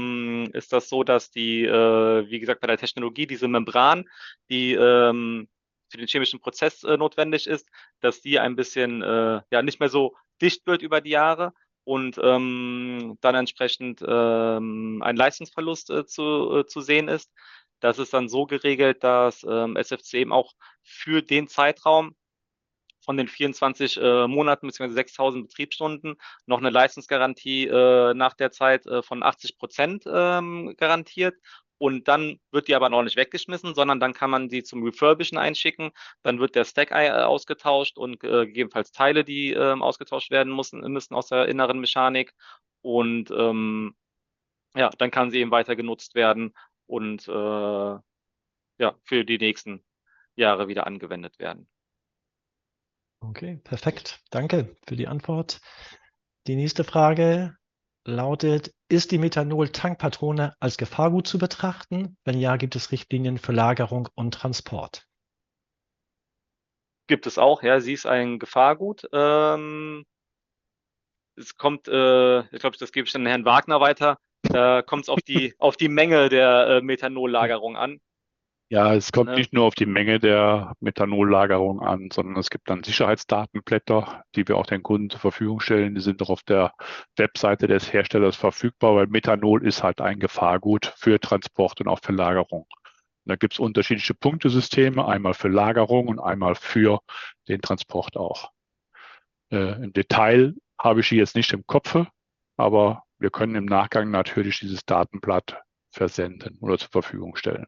ist das so, dass die, wie gesagt, bei der Technologie, diese Membran, die für den chemischen Prozess notwendig ist, dass die ein bisschen, ja nicht mehr so dicht wird über die Jahre und dann entsprechend ein Leistungsverlust zu sehen ist. Das ist dann so geregelt, dass SFC eben auch für den Zeitraum von den vierundzwanzig Monaten beziehungsweise sechstausend Betriebsstunden noch eine Leistungsgarantie nach der Zeit von 80% garantiert. Dann wird die aber noch nicht weggeschmissen, sondern dann kann man sie zum Refurbischen einschicken. Dann wird der Stack ausgetauscht und gegebenenfalls Teile, die ausgetauscht werden müssen, müssen aus der inneren Mechanik und ja, dann kann sie eben weiter genutzt werden und ja, für die nächsten Jahre wieder angewendet werden. Okay, perfekt. Danke für die Antwort. Die nächste Frage lautet: Ist die Methanol-Tankpatrone als Gefahrgut zu betrachten? Wenn ja, gibt es Richtlinien für Lagerung und Transport? Gibt es auch, ja, sie ist ein Gefahrgut. Es kommt, ich glaube, das gebe ich dann an Herrn Wagner weiter. Da kommt's auf die Menge der Methanollagerung an. Ja, es kommt nicht nur auf die Menge der Methanollagerung an, sondern es gibt dann Sicherheitsdatenblätter, die wir auch den Kunden zur Verfügung stellen. Die sind auch auf der Webseite des Herstellers verfügbar, weil Methanol ist halt ein Gefahrgut für Transport und auch für Lagerung. Da gibt es unterschiedliche Punktesysteme, einmal für Lagerung und einmal für den Transport auch. Im Detail habe ich die jetzt nicht im Kopfe, aber wir können im Nachgang natürlich dieses Datenblatt versenden oder zur Verfügung stellen.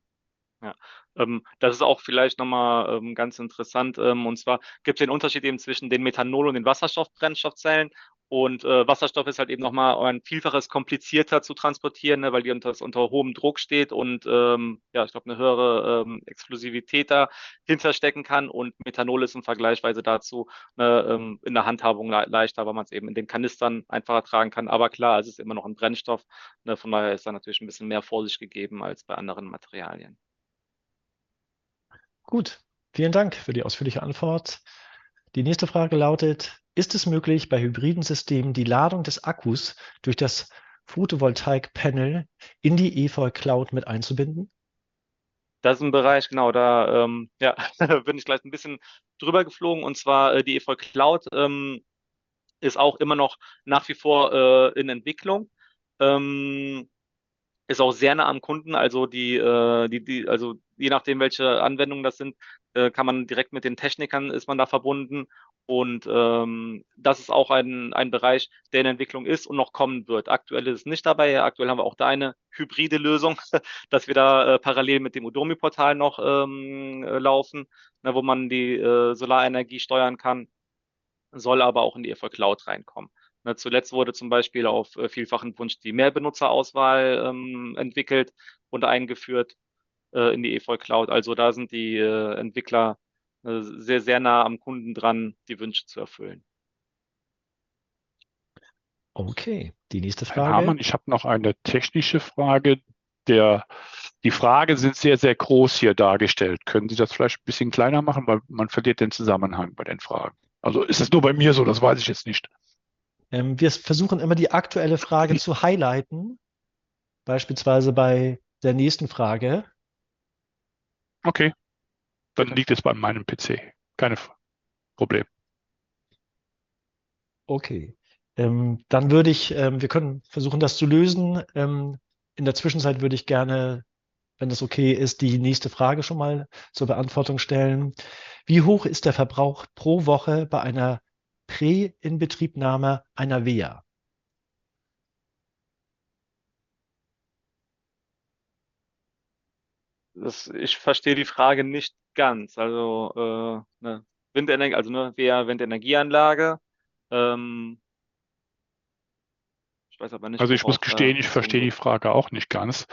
Das ist auch vielleicht noch mal ganz interessant, und zwar gibt es den Unterschied zwischen den Methanol- und den Wasserstoffbrennstoffzellen. Wasserstoff ist halt eben noch mal ein Vielfaches komplizierter zu transportieren, weil die unter hohem Druck steht und eine höhere Explosivität dahinterstecken kann und Methanol ist vergleichsweise dazu in der Handhabung leichter, weil man es eben in den Kanistern einfacher tragen kann. Aber klar, es ist immer noch ein Brennstoff. Von daher ist da natürlich ein bisschen mehr Vorsicht gegeben als bei anderen Materialien. Gut, vielen Dank für die ausführliche Antwort. Die nächste Frage lautet: Ist es möglich, bei hybriden Systemen die Ladung des Akkus durch das Photovoltaik-Panel in die EVoy Cloud mit einzubinden? Das ist ein Bereich, genau da, ja, da bin ich vielleicht ein bisschen drüber geflogen. Und zwar die EVoy Cloud ist auch immer noch nach wie vor in Entwicklung. Ist auch sehr nah am Kunden, also die, je nachdem, welche Anwendungen das sind, kann man direkt mit den Technikern ist man da verbunden und das ist auch ein Bereich, der in Entwicklung ist und noch kommen wird. Aktuell ist es nicht dabei. Aktuell haben wir auch da eine hybride Lösung, dass wir da parallel mit dem Odomi-Portal noch laufen, ne, wo man die Solarenergie steuern kann, soll aber auch in die EVoy Cloud reinkommen. Zuletzt wurde zum Beispiel auf vielfachen Wunsch die Mehrbenutzerauswahl entwickelt und eingeführt in die EVoy Cloud. Also da sind die Entwickler sehr, sehr nah am Kunden dran, die Wünsche zu erfüllen. Okay, die nächste Frage. Herr Herrmann, ich habe noch eine technische Frage: Die Fragen sind sehr, sehr groß hier dargestellt. Können Sie das vielleicht ein bisschen kleiner machen? Weil man verliert den Zusammenhang bei den Fragen. Ist das nur bei mir so? Das weiß ich jetzt nicht. Wir versuchen immer, die aktuelle Frage zu highlighten, beispielsweise bei der nächsten Frage. Okay, dann liegt es bei meinem PC. Kein Problem. Dann würde ich... Wir können versuchen, das zu lösen. In der Zwischenzeit würde ich gerne, wenn das okay ist, die nächste Frage schon mal zur Beantwortung stellen: Wie hoch ist der Verbrauch pro Woche bei einer Pre-Inbetriebnahme einer WEA? Ich verstehe die Frage nicht ganz. Also, Windenergie, also ne, WEA, Windenergieanlage. Ich weiß aber nicht- Ich muss gestehen, ich verstehe die Frage auch nicht ganz.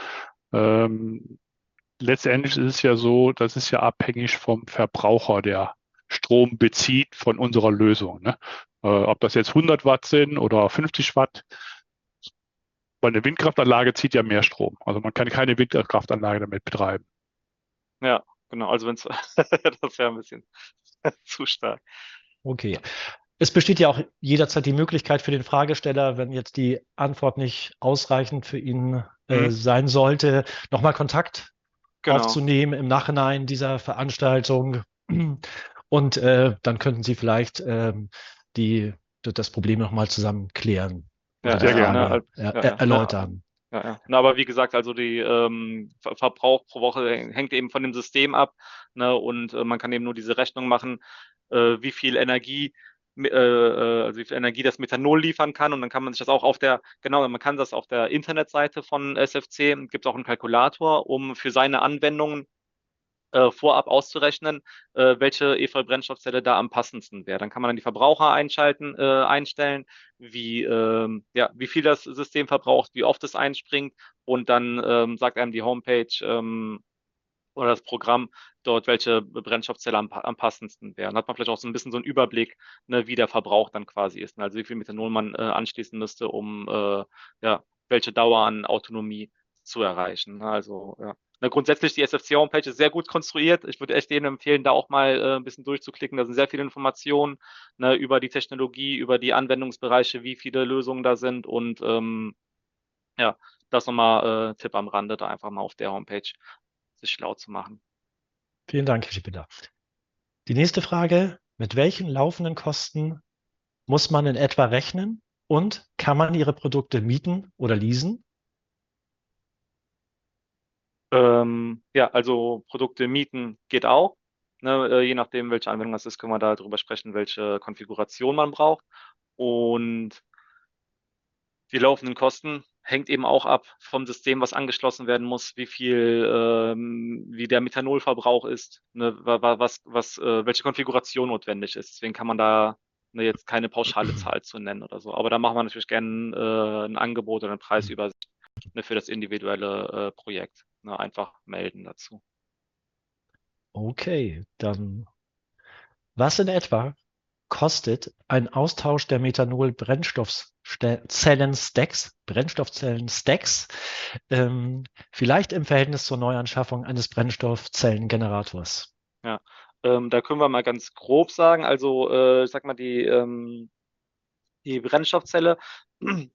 Letztendlich ist es ja so: Das ist ja abhängig vom Verbraucher, der Strom bezieht von unserer Lösung. Ob das jetzt 100 Watt sind oder 50 Watt, weil eine Windkraftanlage zieht ja mehr Strom. Man kann keine Windkraftanlage damit betreiben. Ja, genau. Also wenn's da wäre ein bisschen zu stark. Okay, es besteht ja auch jederzeit die Möglichkeit für den Fragesteller, wenn jetzt die Antwort nicht ausreichend für ihn sein sollte, noch mal Kontakt aufzunehmen im Nachhinein dieser Veranstaltung. Und dann könnten Sie vielleicht das Problem noch mal zusammen klären. Ja, sehr gerne. Erläutern. Ja, ja. Aber wie gesagt, also die Verbrauch pro Woche hängt eben von dem System ab, ne? Und man kann eben nur diese Rechnung machen, wie viel Energie das Methanol liefern kann und dann kann man sich das auch auf der, genau, man kann das auf der Internetseite von SFC, gibt's auch 'n Kalkulator, um für seine Anwendungen vorab auszurechnen, welche EFOY-Brennstoffzelle da am passendsten wär. Dann kann man dann die Verbraucher einschalten, einstellen, wie, ja, wie viel das System verbraucht, wie oft es einspringt und dann sagt einem die Homepage, oder das Programm dort, welche Brennstoffzelle am passendsten wären. Hat man vielleicht auch so 'n bisschen so 'n Überblick, ne, wie der Verbrauch dann quasi ist und also wie viel Methanol man anschließen müsste, um, ja, welche Dauer an Autonomie zu erreichen. Ja, grundsätzlich die SFC-Homepage ist sehr gut konstruiert. Ich würde echt denen empfehlen, da auch mal ein bisschen durchzuklicken. Da sind sehr viele Informationen über die Technologie, über die Anwendungsbereiche, wie viele Lösungen da sind und, ja, das noch mal Tipp am Rande, da einfach mal auf der Homepage sich schlau zu machen. Vielen Dank, Herr Schiebeder. Die nächste Frage: Mit welchen laufenden Kosten muss man in etwa rechnen und kann man Ihre Produkte mieten oder leasen? Ja, also Produkte mieten geht auch, ne. Je nachdem, welche Anwendung das ist, können wir da drüber sprechen, welche Konfiguration man braucht. Und die laufenden Kosten hängen eben auch ab vom System, was angeschlossen werden muss, wie viel, wie der Methanolverbrauch ist, ne, was, was, welche Konfiguration notwendig ist. Deswegen kann man da jetzt keine pauschale Zahl zu nennen oder so. Aber da machen wir natürlich gern ein Angebot oder eine Preisübersicht für das individuelle Projekt. Ne, einfach melden dazu. Okay, dann: Was in etwa kostet ein Austausch der Methanolbrennstoffzellen-Stacks, Brennstoffzellen-Stacks? Vielleicht im Verhältnis zur Neuanschaffung eines Brennstoffzellengenerators. Da können wir mal ganz grob sagen, die Brennstoffzelle, wenn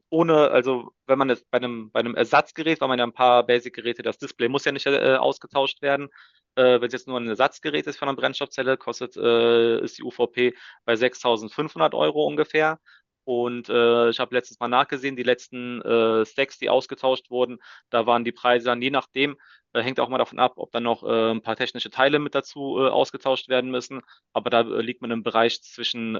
man es bei einem Ersatzgerät, weil man ja ein paar Basic-Geräte, das Display muss ja nicht ausgetauscht werden. Wenn es jetzt nur ein Ersatzgerät ist von der Brennstoffzelle, ist die UVP bei €6.500 ungefähr. Ich habe letztens mal nachgesehen, die letzten Stacks, die ausgetauscht wurden, da waren die Preise dann, je nachdem, hängt auch immer davon ab, ob dann noch ein paar technische Teile mit dazu ausgetauscht werden müssen. Aber da liegt man im Bereich zwischen,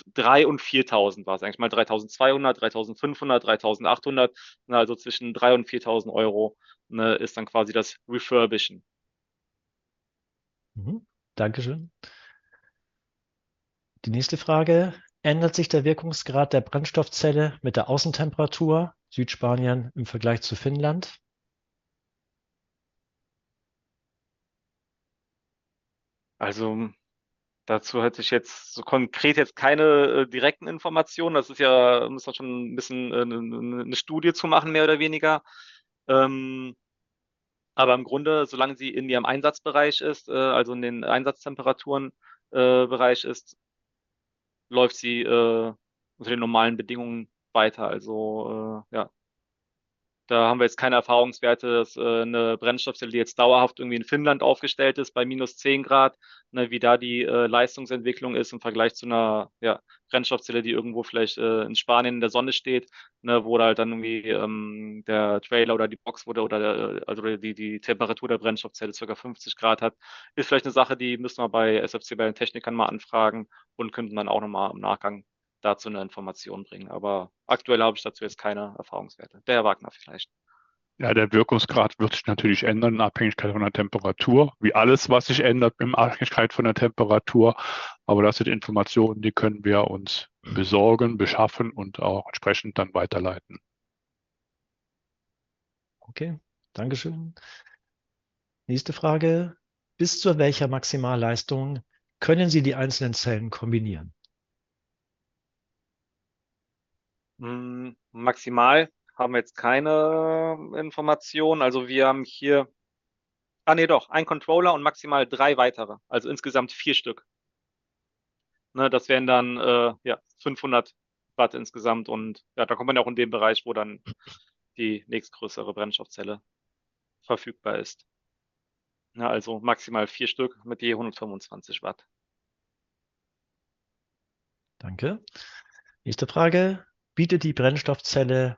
ich sag mal, drei und viertausend war es eigentlich mal. €3.200, €3.500, €3.800. Also zwischen €3.000 und €4.000 ist dann quasi das Refurbishing. Danke schön. Die nächste Frage: Ändert sich der Wirkungsgrad der Brennstoffzelle mit der Außentemperatur Südspanien im Vergleich zu Finnland? Dazu hätte ich jetzt so konkret keine direkten Informationen. Das ist ja, muss man schon ein bisschen eine Studie zu machen, mehr oder weniger. Aber im Grunde, solange sie in ihrem Einsatzbereich ist, also in den Einsatztemperaturen-Bereich ist, läuft sie unter den normalen Bedingungen weiter. Da haben wir jetzt keine Erfahrungswerte, dass eine Brennstoffzelle, die jetzt dauerhaft irgendwie in Finnland aufgestellt ist, bei minus zehn Grad, wie da die Leistungsentwicklung ist im Vergleich zu einer Brennstoffzelle, die irgendwo vielleicht in Spanien in der Sonne steht, wo da halt dann irgendwie der Trailer oder die Box, wo der oder, also die Temperatur der Brennstoffzelle circa fünfzig Grad hat. Ist vielleicht eine Sache, die müssen wir bei SFC, bei den Technikern mal anfragen und könnten dann auch noch mal im Nachgang dazu eine Information bringen. Aber aktuell habe ich dazu jetzt keine Erfahrungswerte. Der Herr Wagner vielleicht. Ja, der Wirkungsgrad wird sich natürlich ändern in Abhängigkeit von der Temperatur. Wie alles, was sich ändert, in Abhängigkeit von der Temperatur. Aber das sind Informationen, die können wir uns besorgen, beschaffen und auch entsprechend dann weiterleiten. Okay, danke schön. Nächste Frage: Bis zu welcher Maximalleistung können Sie die einzelnen Zellen kombinieren? Maximal haben wir jetzt keine Information. Also wir haben hier... Ah, nee, doch! Ein Controller und maximal drei weitere, also insgesamt vier Stück. Das wären dann ja 500 Watt insgesamt und da kommt man ja auch in den Bereich, wo dann die nächstgrößere Brennstoffzelle verfügbar ist. Also maximal vier Stück mit je 125 Watt. Danke. Nächste Frage: Bietet die Brennstoffzelle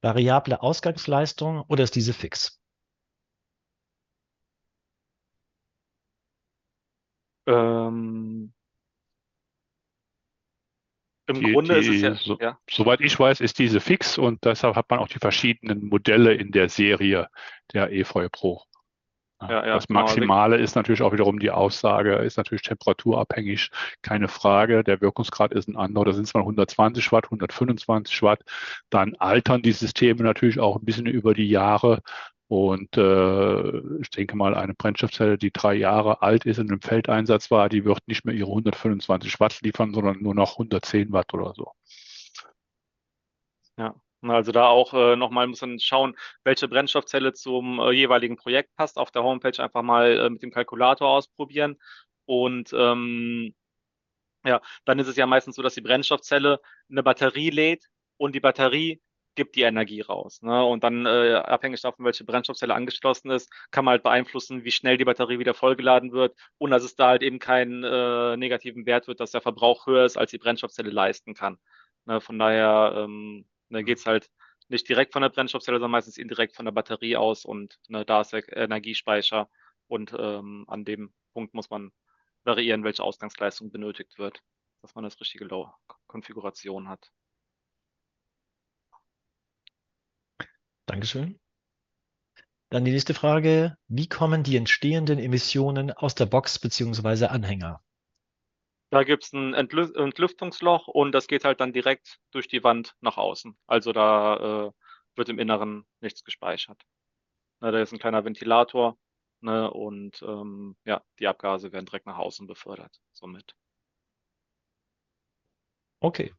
variable Ausgangsleistung oder ist diese fix? Im Grunde ist es- Soweit ich weiß, ist diese fix und deshalb hat man auch die verschiedenen Modelle in der Serie der EFOY Pro. Ja, ja. Das Maximale ist natürlich auch wiederum die Aussage, ist natürlich temperaturabhängig, keine Frage. Der Wirkungsgrad ist ein anderer. Das sind zwar 120 Watt, 125 Watt. Dann altern die Systeme natürlich auch ein bisschen über die Jahre und ich denke mal, eine Brennstoffzelle, die drei Jahre alt ist und im Feldeinsatz war, die wird nicht mehr ihre 125 Watt liefern, sondern nur noch 110 Watt oder so. Ja, und also da auch noch mal muss man schauen, welche Brennstoffzelle zum jeweiligen Projekt passt. Auf der Homepage einfach mal mit dem Kalkulator ausprobieren. Und ja, dann ist es ja meistens so, dass die Brennstoffzelle eine Batterie lädt und die Batterie gibt die Energie raus, ne? Und dann abhängig davon, welche Brennstoffzelle angeschlossen ist, kann man halt beeinflussen, wie schnell die Batterie wieder vollgeladen wird und dass es da halt eben keinen negativen Wert wird, dass der Verbrauch höher ist, als die Brennstoffzelle leisten kann, ne? Von daher geht's halt nicht direkt von der Brennstoffzelle, sondern meistens indirekt von der Batterie aus und, ne, da ist der Energiespeicher und an dem Punkt muss man variieren, welche Ausgangsleistung benötigt wird, dass man das richtige Konfiguration hat. Danke schön. Dann die nächste Frage: Wie kommen die entstehenden Emissionen aus der Box beziehungsweise Anhänger? Da gibt's ein Entlüftungsloch und das geht halt dann direkt durch die Wand nach außen. Also da wird im Inneren nichts gespeichert. Da ist ein kleiner Ventilator, ne, und ja, die Abgase werden direkt nach außen befördert somit. Okay,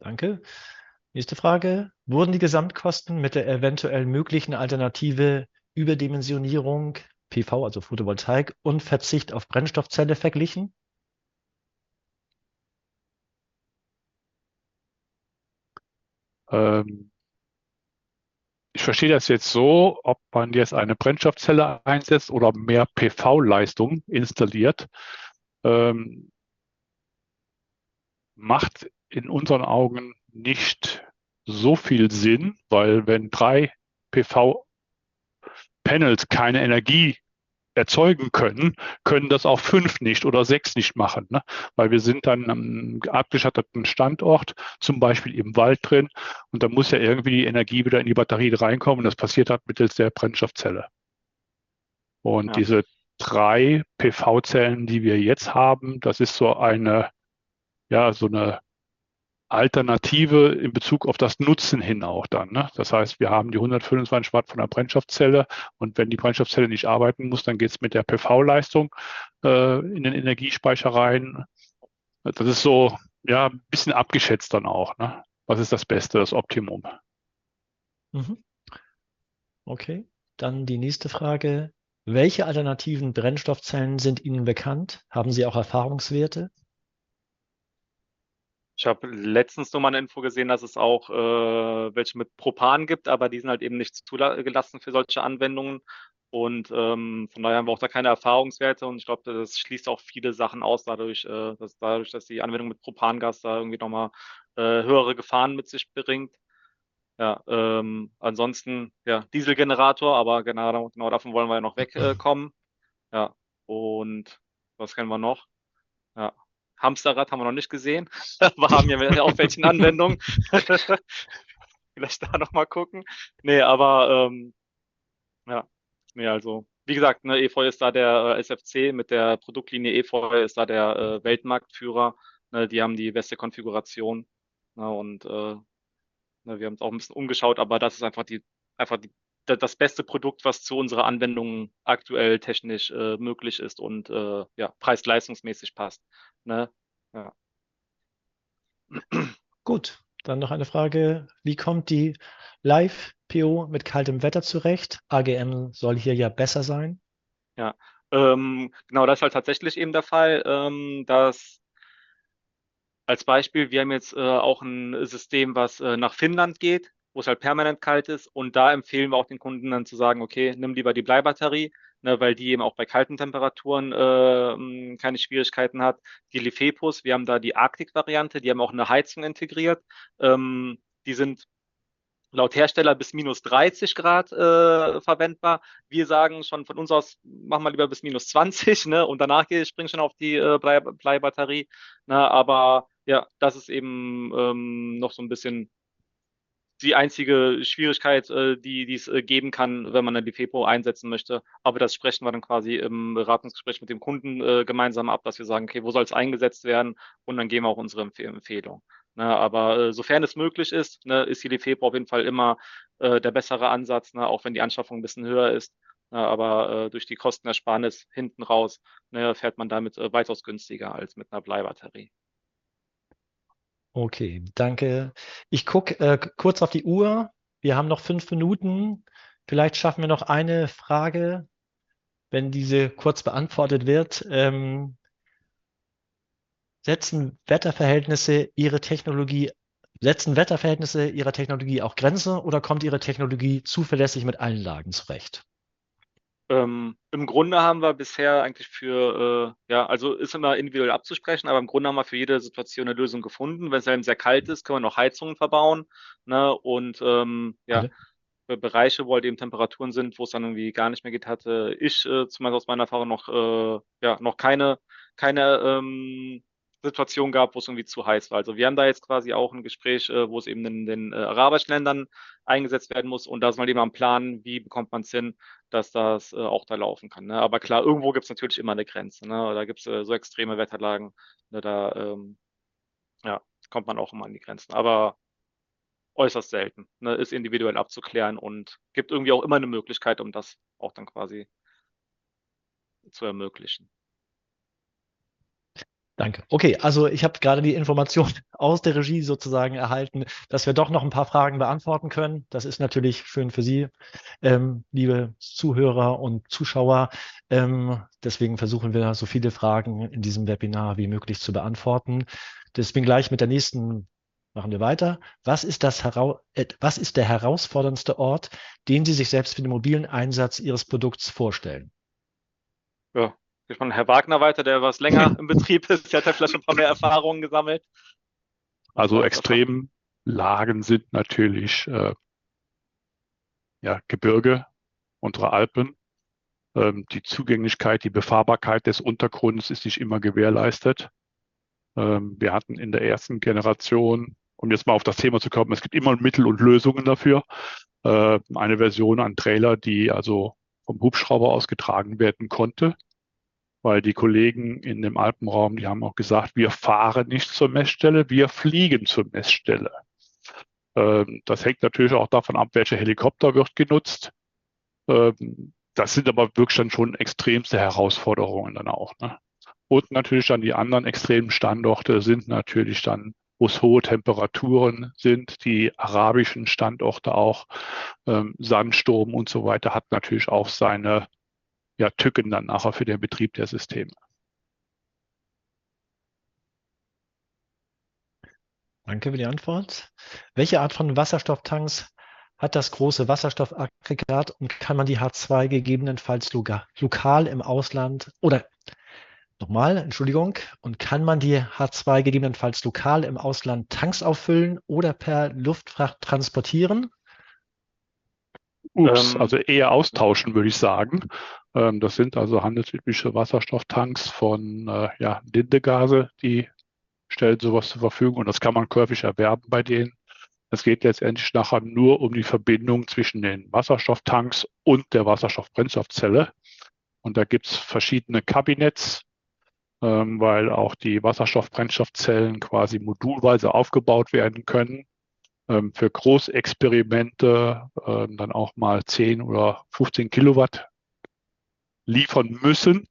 danke. Nächste Frage: Wurden die Gesamtkosten mit der eventuell möglichen Alternative Überdimensionierung PV, also Photovoltaik, und Verzicht auf Brennstoffzelle verglichen? Ich verstehe das jetzt so: Ob man jetzt eine Brennstoffzelle einsetzt oder mehr PV-Leistung installiert, macht in unseren Augen nicht so viel Sinn, weil wenn drei PV-Panels keine Energie erzeugen können, können das auch fünf nicht oder sechs nicht machen, ne? Weil wir sind dann am abgeschatteten Standort, zum Beispiel im Wald drin und da muss ja irgendwie die Energie wieder in die Batterie reinkommen und das passiert halt mittels der Brennstoffzelle. Und diese drei PV-Zellen, die wir jetzt haben, das ist so eine, ja, so eine Alternative in Bezug auf das Nutzen hin auch dann, ne. Das heißt, wir haben die 125 Watt von der Brennstoffzelle und wenn die Brennstoffzelle nicht arbeiten muss, dann geht's mit der PV-Leistung in den Energiespeicher rein. Das ist so, ja, ein bisschen abgeschätzt dann auch, ne. Was ist das Beste, das Optimum? Okay, dann die nächste Frage: Welche alternativen Brennstoffzellen sind Ihnen bekannt? Haben Sie auch Erfahrungswerte? Ich hab letztens nur mal eine Info gesehen, dass es auch welche mit Propan gibt, aber die sind halt eben nicht zugelassen für solche Anwendungen und von daher haben wir auch da keine Erfahrungswerte und ich glaub, das schließt auch viele Sachen aus dadurch, dass die Anwendung mit Propangas da irgendwie noch mal höhere Gefahren mit sich bringt. Ja, ansonsten, ja, Dieselgenerator, aber genau davon wollen wir ja noch wegkommen. Ja, und was kennen wir noch? Ja, Hamsterrad haben wir noch nicht gesehen. Wir haben ja auch welchen Anwendungen. Vielleicht da noch mal gucken. Nee, aber ja, nee, also wie gesagt, EFO ist da der SFC mit der Produktlinie EFO ist da der Weltmarktführer, ne. Die haben die beste Konfiguration und wir haben uns auch ein bisschen umgeschaut, aber das ist einfach das beste Produkt, was zu unserer Anwendung aktuell technisch möglich ist und preisleistungsmäßig passt. Ja. Gut, dann noch eine Frage: Wie kommt die LiFePO mit kaltem Wetter zurecht? AGM soll hier ja besser sein. Ja, genau das ist halt tatsächlich eben der Fall. Das als Beispiel: Wir haben jetzt auch ein System, was nach Finnland geht, wo es halt permanent kalt ist und da empfehlen wir auch den Kunden dann zu sagen: "Okay, nimm lieber die Blei Batterie, ne, weil die eben auch bei kalten Temperaturen keine Schwierigkeiten hat." Die LiFePO, wir haben da die Arctic-Variante, die haben auch eine Heizung integriert. Die sind laut Hersteller bis minus 30 Grad verwendbar. Wir sagen schon von uns aus: Mach mal lieber bis minus 20, ne, und danach springt schon auf die Blei-Batterie. Ne, aber ja, das ist eben noch so ein bisschen die einzige Schwierigkeit, die, die es geben kann, wenn man eine LiFePO einsetzen möchte. Aber das sprechen wir dann quasi im Beratungsgespräch mit dem Kunden gemeinsam ab, dass wir sagen: Okay, wo soll es eingesetzt werden? Und dann geben wir auch unsere Empfehlung. Aber sofern es möglich ist, ist die LiFePO auf jeden Fall immer der bessere Ansatz, auch wenn die Anschaffung ein bisschen höher ist. Aber durch die Kostenersparnis hinten raus fährt man damit weitaus günstiger als mit einer Blei-Batterie. Okay, danke. Ich gucke kurz auf die Uhr. Wir haben noch fünf Minuten. Vielleicht schaffen wir noch eine Frage, wenn diese kurz beantwortet wird: Setzen Wetterverhältnisse Ihrer Technologie auch Grenzen oder kommt Ihre Technologie zuverlässig mit allen Lagen zurecht? Im Grunde haben wir bisher eigentlich für, ja, also ist immer individuell abzusprechen, aber im Grunde haben wir für jede Situation eine Lösung gefunden. Wenn es halt sehr kalt ist, können wir noch Heizungen verbauen, ne? Ja, Bereiche, wo halt eben Temperaturen sind, wo es dann irgendwie gar nicht mehr geht, hatte ich zumindest aus meiner Erfahrung noch, ja noch keine Situation gehabt, wo es irgendwie zu heiß war. Also wir haben da jetzt quasi auch ein Gespräch, wo es eben in den Arabischen Ländern eingesetzt werden muss und da sind wir eben am Planen: Wie bekommt man es hin, dass das auch da laufen kann, ne? Aber klar, irgendwo gibt es natürlich immer eine Grenze, ne. Da gibt's so extreme Wetterlagen, ne, da, ja, kommt man auch immer an die Grenzen, aber äußerst selten, ne. Ist individuell abzuklären und gibt irgendwie auch immer eine Möglichkeit, um das auch dann quasi zu ermöglichen. Danke. Okay, also ich hab gerade die Information aus der Regie sozusagen erhalten, dass wir doch noch ein paar Fragen beantworten können. Das ist natürlich schön für Sie, liebe Zuhörer und Zuschauer. Deswegen versuchen wir, so viele Fragen in diesem Webinar wie möglich zu beantworten. Deswegen gleich mit der nächsten machen wir weiter: Was ist der herausforderndste Ort, den Sie sich selbst für den mobilen Einsatz Ihres Produkts vorstellen? Ja, ich meine, Herr Wagner weiter, der was länger im Betrieb ist. Der hat vielleicht schon ein paar mehr Erfahrungen gesammelt. Auch extremen Lagen sind natürlich Gebirge, unsere Alpen. Die Zugänglichkeit, die Befahrbarkeit des Untergrunds ist nicht immer gewährleistet. Wir hatten in der ersten Generation, um jetzt mal auf das Thema zu kommen, es gibt immer Mittel und Lösungen dafür, eine Version an Trailer, die also vom Hubschrauber aus getragen werden konnte, weil die Kollegen in dem Alpenraum, die haben auch gesagt: "Wir fahren nicht zur Messstelle, wir fliegen zur Messstelle." Das hängt natürlich auch davon ab, welcher Helikopter wird genutzt. Das sind aber wirklich dann schon extremste Herausforderungen dann auch, ne? Natürlich dann die anderen extremen Standorte sind natürlich dann, wo es hohe Temperaturen sind, die arabischen Standorte auch. Sandsturm und so weiter hat natürlich auch seine Tücken dann nachher für den Betrieb der Systeme. Danke für die Antwort. Welche Art von Wasserstofftanks hat das große Wasserstoffaggregat und kann man die H2 gegebenenfalls lokal im Ausland Tanks auffüllen oder per Luftfracht transportieren? Also eher austauschen, würde ich sagen. Das sind also handelsübliche Wasserstofftanks von, ja, Linde Gase. Die stellen so was zur Verfügung und das kann man käuflich erwerben bei denen. Es geht letztendlich nachher nur um die Verbindung zwischen den Wasserstofftanks und der Wasserstoffbrennstoffzelle. Und da gibt's verschiedene Kabinette, weil auch die Wasserstoffbrennstoffzellen quasi modulweise aufgebaut werden können. Für große Experimente, dann auch mal 10 oder 15 Kilowatt liefern müssen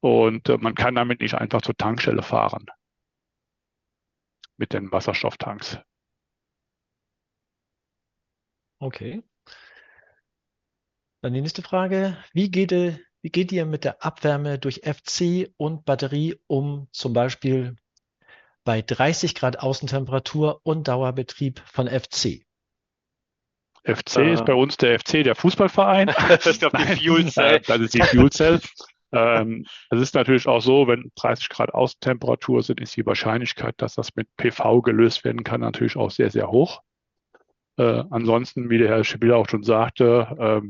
und man kann damit nicht einfach zur Tankstelle fahren, mit den Wasserstofftanks. Okay. Dann die nächste Frage: Wie geht ihr mit der Abwärme durch FC und Batterie um, zum Beispiel bei 30 Grad Außentemperatur und Dauerbetrieb von FC? FC ist bei uns der FC, der Fußballverein. Das ist doch die Fuel Cell. Das ist die Fuel Cell. Es ist natürlich auch so, wenn 30 Grad Außentemperatur sind, ist die Wahrscheinlichkeit, dass das mit PV gelöst werden kann, natürlich auch sehr, sehr hoch. Ansonsten, wie der Herr Schibilla auch schon sagte,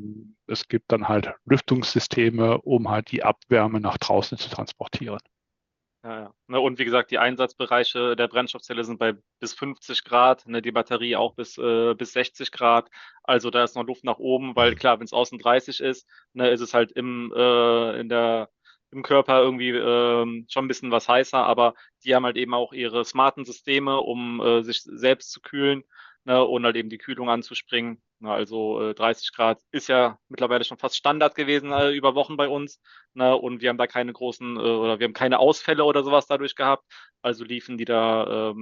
es gibt dann halt Lüftungssysteme, um halt die Abwärme nach draußen zu transportieren. Ja, ja. Und wie gesagt, die Einsatzbereiche der Brennstoffzelle sind bei bis 50 Grad, ne, die Batterie auch bis 60 Grad. Also da ist noch Luft nach oben, weil klar, wenn's außen 30 ist, ne, ist es halt im Körper irgendwie schon ein bisschen was heißer, aber die haben halt eben auch ihre smarten Systeme, um sich selbst zu kühlen, ne, oder eben die Kühlung anzuspringen. Ne, also 30 Grad ist ja mittlerweile schon fast Standard gewesen über Wochen bei uns, ne, und wir haben da keine großen oder wir haben keine Ausfälle oder so was dadurch gehabt. Also liefen die da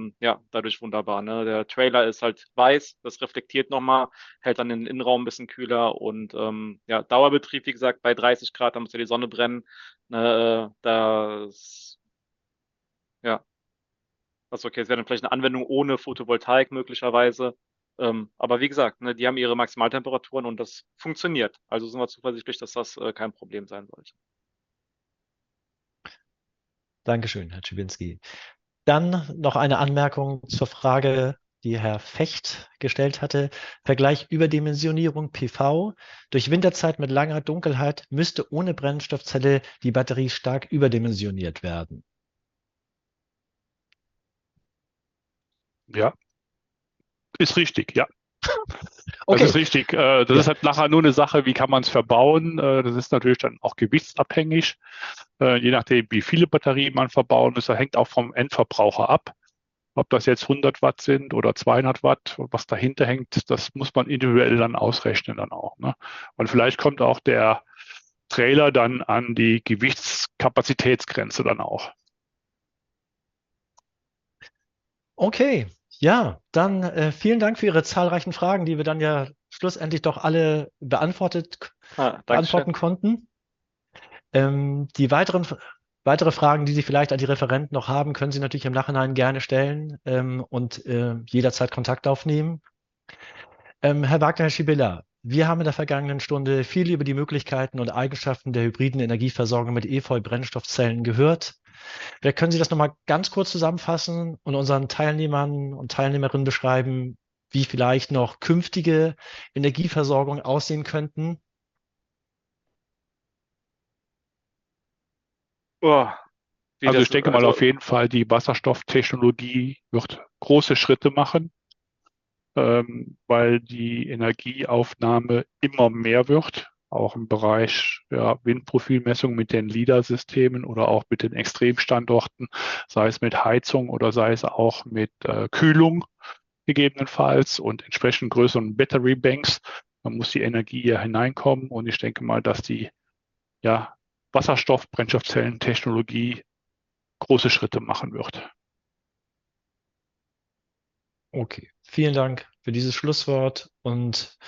dadurch wunderbar, ne. Der Trailer ist halt weiß, das reflektiert noch mal, hält dann den Innenraum ein bisschen kühler und, ja, Dauerbetrieb, wie gesagt, bei 30 Grad, da muss ja die Sonne brennen. Das, ja. Also okay, das wäre dann vielleicht eine Anwendung ohne Photovoltaik möglicherweise. Aber wie gesagt, ne, die haben ihre Maximaltemperaturen und das funktioniert. Also sind wir zuversichtlich, dass das kein Problem sein sollte. Danke schön, Herr Schibinski. Dann noch eine Anmerkung zur Frage, die Herr Fecht gestellt hatte: Vergleich Überdimensionierung PV. Durch Winterzeit mit langer Dunkelheit müsste ohne Brennstoffzelle die Batterie stark überdimensioniert werden. Ja, ist richtig, ja. Das ist richtig. Das ist halt nachher nur eine Sache, wie kann man's verbauen? Das ist natürlich dann auch gewichtsabhängig, je nachdem, wie viele Batterien man verbauen muss. Das hängt auch vom Endverbraucher ab, ob das jetzt hundert Watt sind oder zweihundert Watt. Was dahinter hängt, das muss man individuell dann ausrechnen dann auch, ne. Vielleicht kommt auch der Trailer dann an die Gewichtskapazitätsgrenze dann auch. Okay, ja, dann vielen Dank für Ihre zahlreichen Fragen, die wir dann ja schlussendlich doch alle beantworten konnten. Die weiteren Fragen, die Sie vielleicht an die Referenten noch haben, können Sie natürlich im Nachhinein gerne stellen und jederzeit Kontakt aufnehmen. Herr Wagner, Herr Schibilla, wir haben in der vergangenen Stunde viel über die Möglichkeiten und Eigenschaften der hybriden Energieversorgung mit Ethanol-Brennstoffzellen gehört. Können Sie das noch mal ganz kurz zusammenfassen und unseren Teilnehmern und Teilnehmerinnen beschreiben, wie vielleicht noch künftige Energieversorgungen aussehen könnten? Oh! Ich denke mal auf jeden Fall, die Wasserstofftechnologie wird große Schritte machen, weil die Energieaufnahme immer mehr wird, auch im Bereich Windprofilmessung mit den Lidarsystemen oder auch mit den Extremstandorten, sei es mit Heizung oder sei es auch mit Kühlung gegebenenfalls und entsprechend größeren Battery Banks. Da muss die Energie hier hineinkommen und ich denke mal, dass die Wasserstoffbrennstoffzellentechnologie große Schritte machen wird. Okay, vielen Dank für dieses Schlusswort und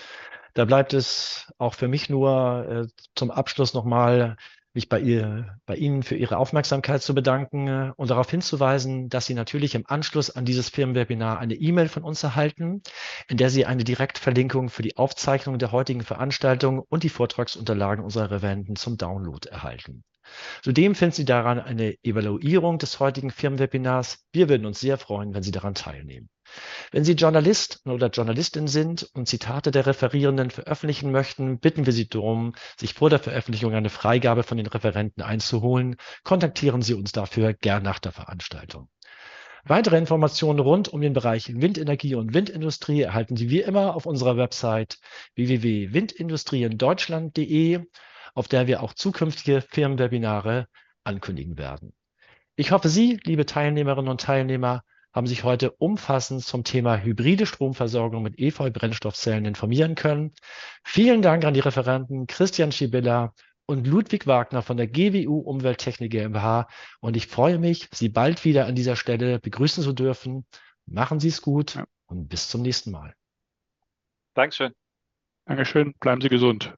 da bleibt es auch für mich nur zum Abschluss noch mal, mich bei Ihnen für Ihre Aufmerksamkeit zu bedanken und darauf hinzuweisen, dass Sie natürlich im Anschluss an dieses Firmenwebinar eine E-Mail von uns erhalten, in der Sie eine Direktverlinkung für die Aufzeichnung der heutigen Veranstaltung und die Vortragsunterlagen unserer Referenten zum Download erhalten. Zudem finden Sie daran eine Evaluierung des heutigen Firmenwebinars. Wir würden uns sehr freuen, wenn Sie daran teilnehmen. Wenn Sie Journalist oder Journalistin sind und Zitate der Referierenden veröffentlichen möchten, bitten wir Sie darum, sich vor der Veröffentlichung eine Freigabe von den Referenten einzuholen. Kontaktieren Sie uns dafür gern nach der Veranstaltung. Weitere Informationen rund den Bereich Windenergie und Windindustrie erhalten Sie wie immer auf unserer Website: www.windindustrie-deutschland.de, auf der wir auch zukünftige Firmenwebinare ankündigen werden. Ich hoffe, Sie, liebe Teilnehmerinnen und Teilnehmer, haben sich heute umfassend zum Thema hybride Stromversorgung mit EV-Brennstoffzellen informieren können. Vielen Dank an die Referenten Christian Schibilla und Ludwig Wagner von der GWU Umwelttechnik GmbH und ich freue mich, Sie bald wieder an dieser Stelle begrüßen zu dürfen. Machen Sie's gut und bis zum nächsten Mal. Danke schön. Danke schön. Bleiben Sie gesund!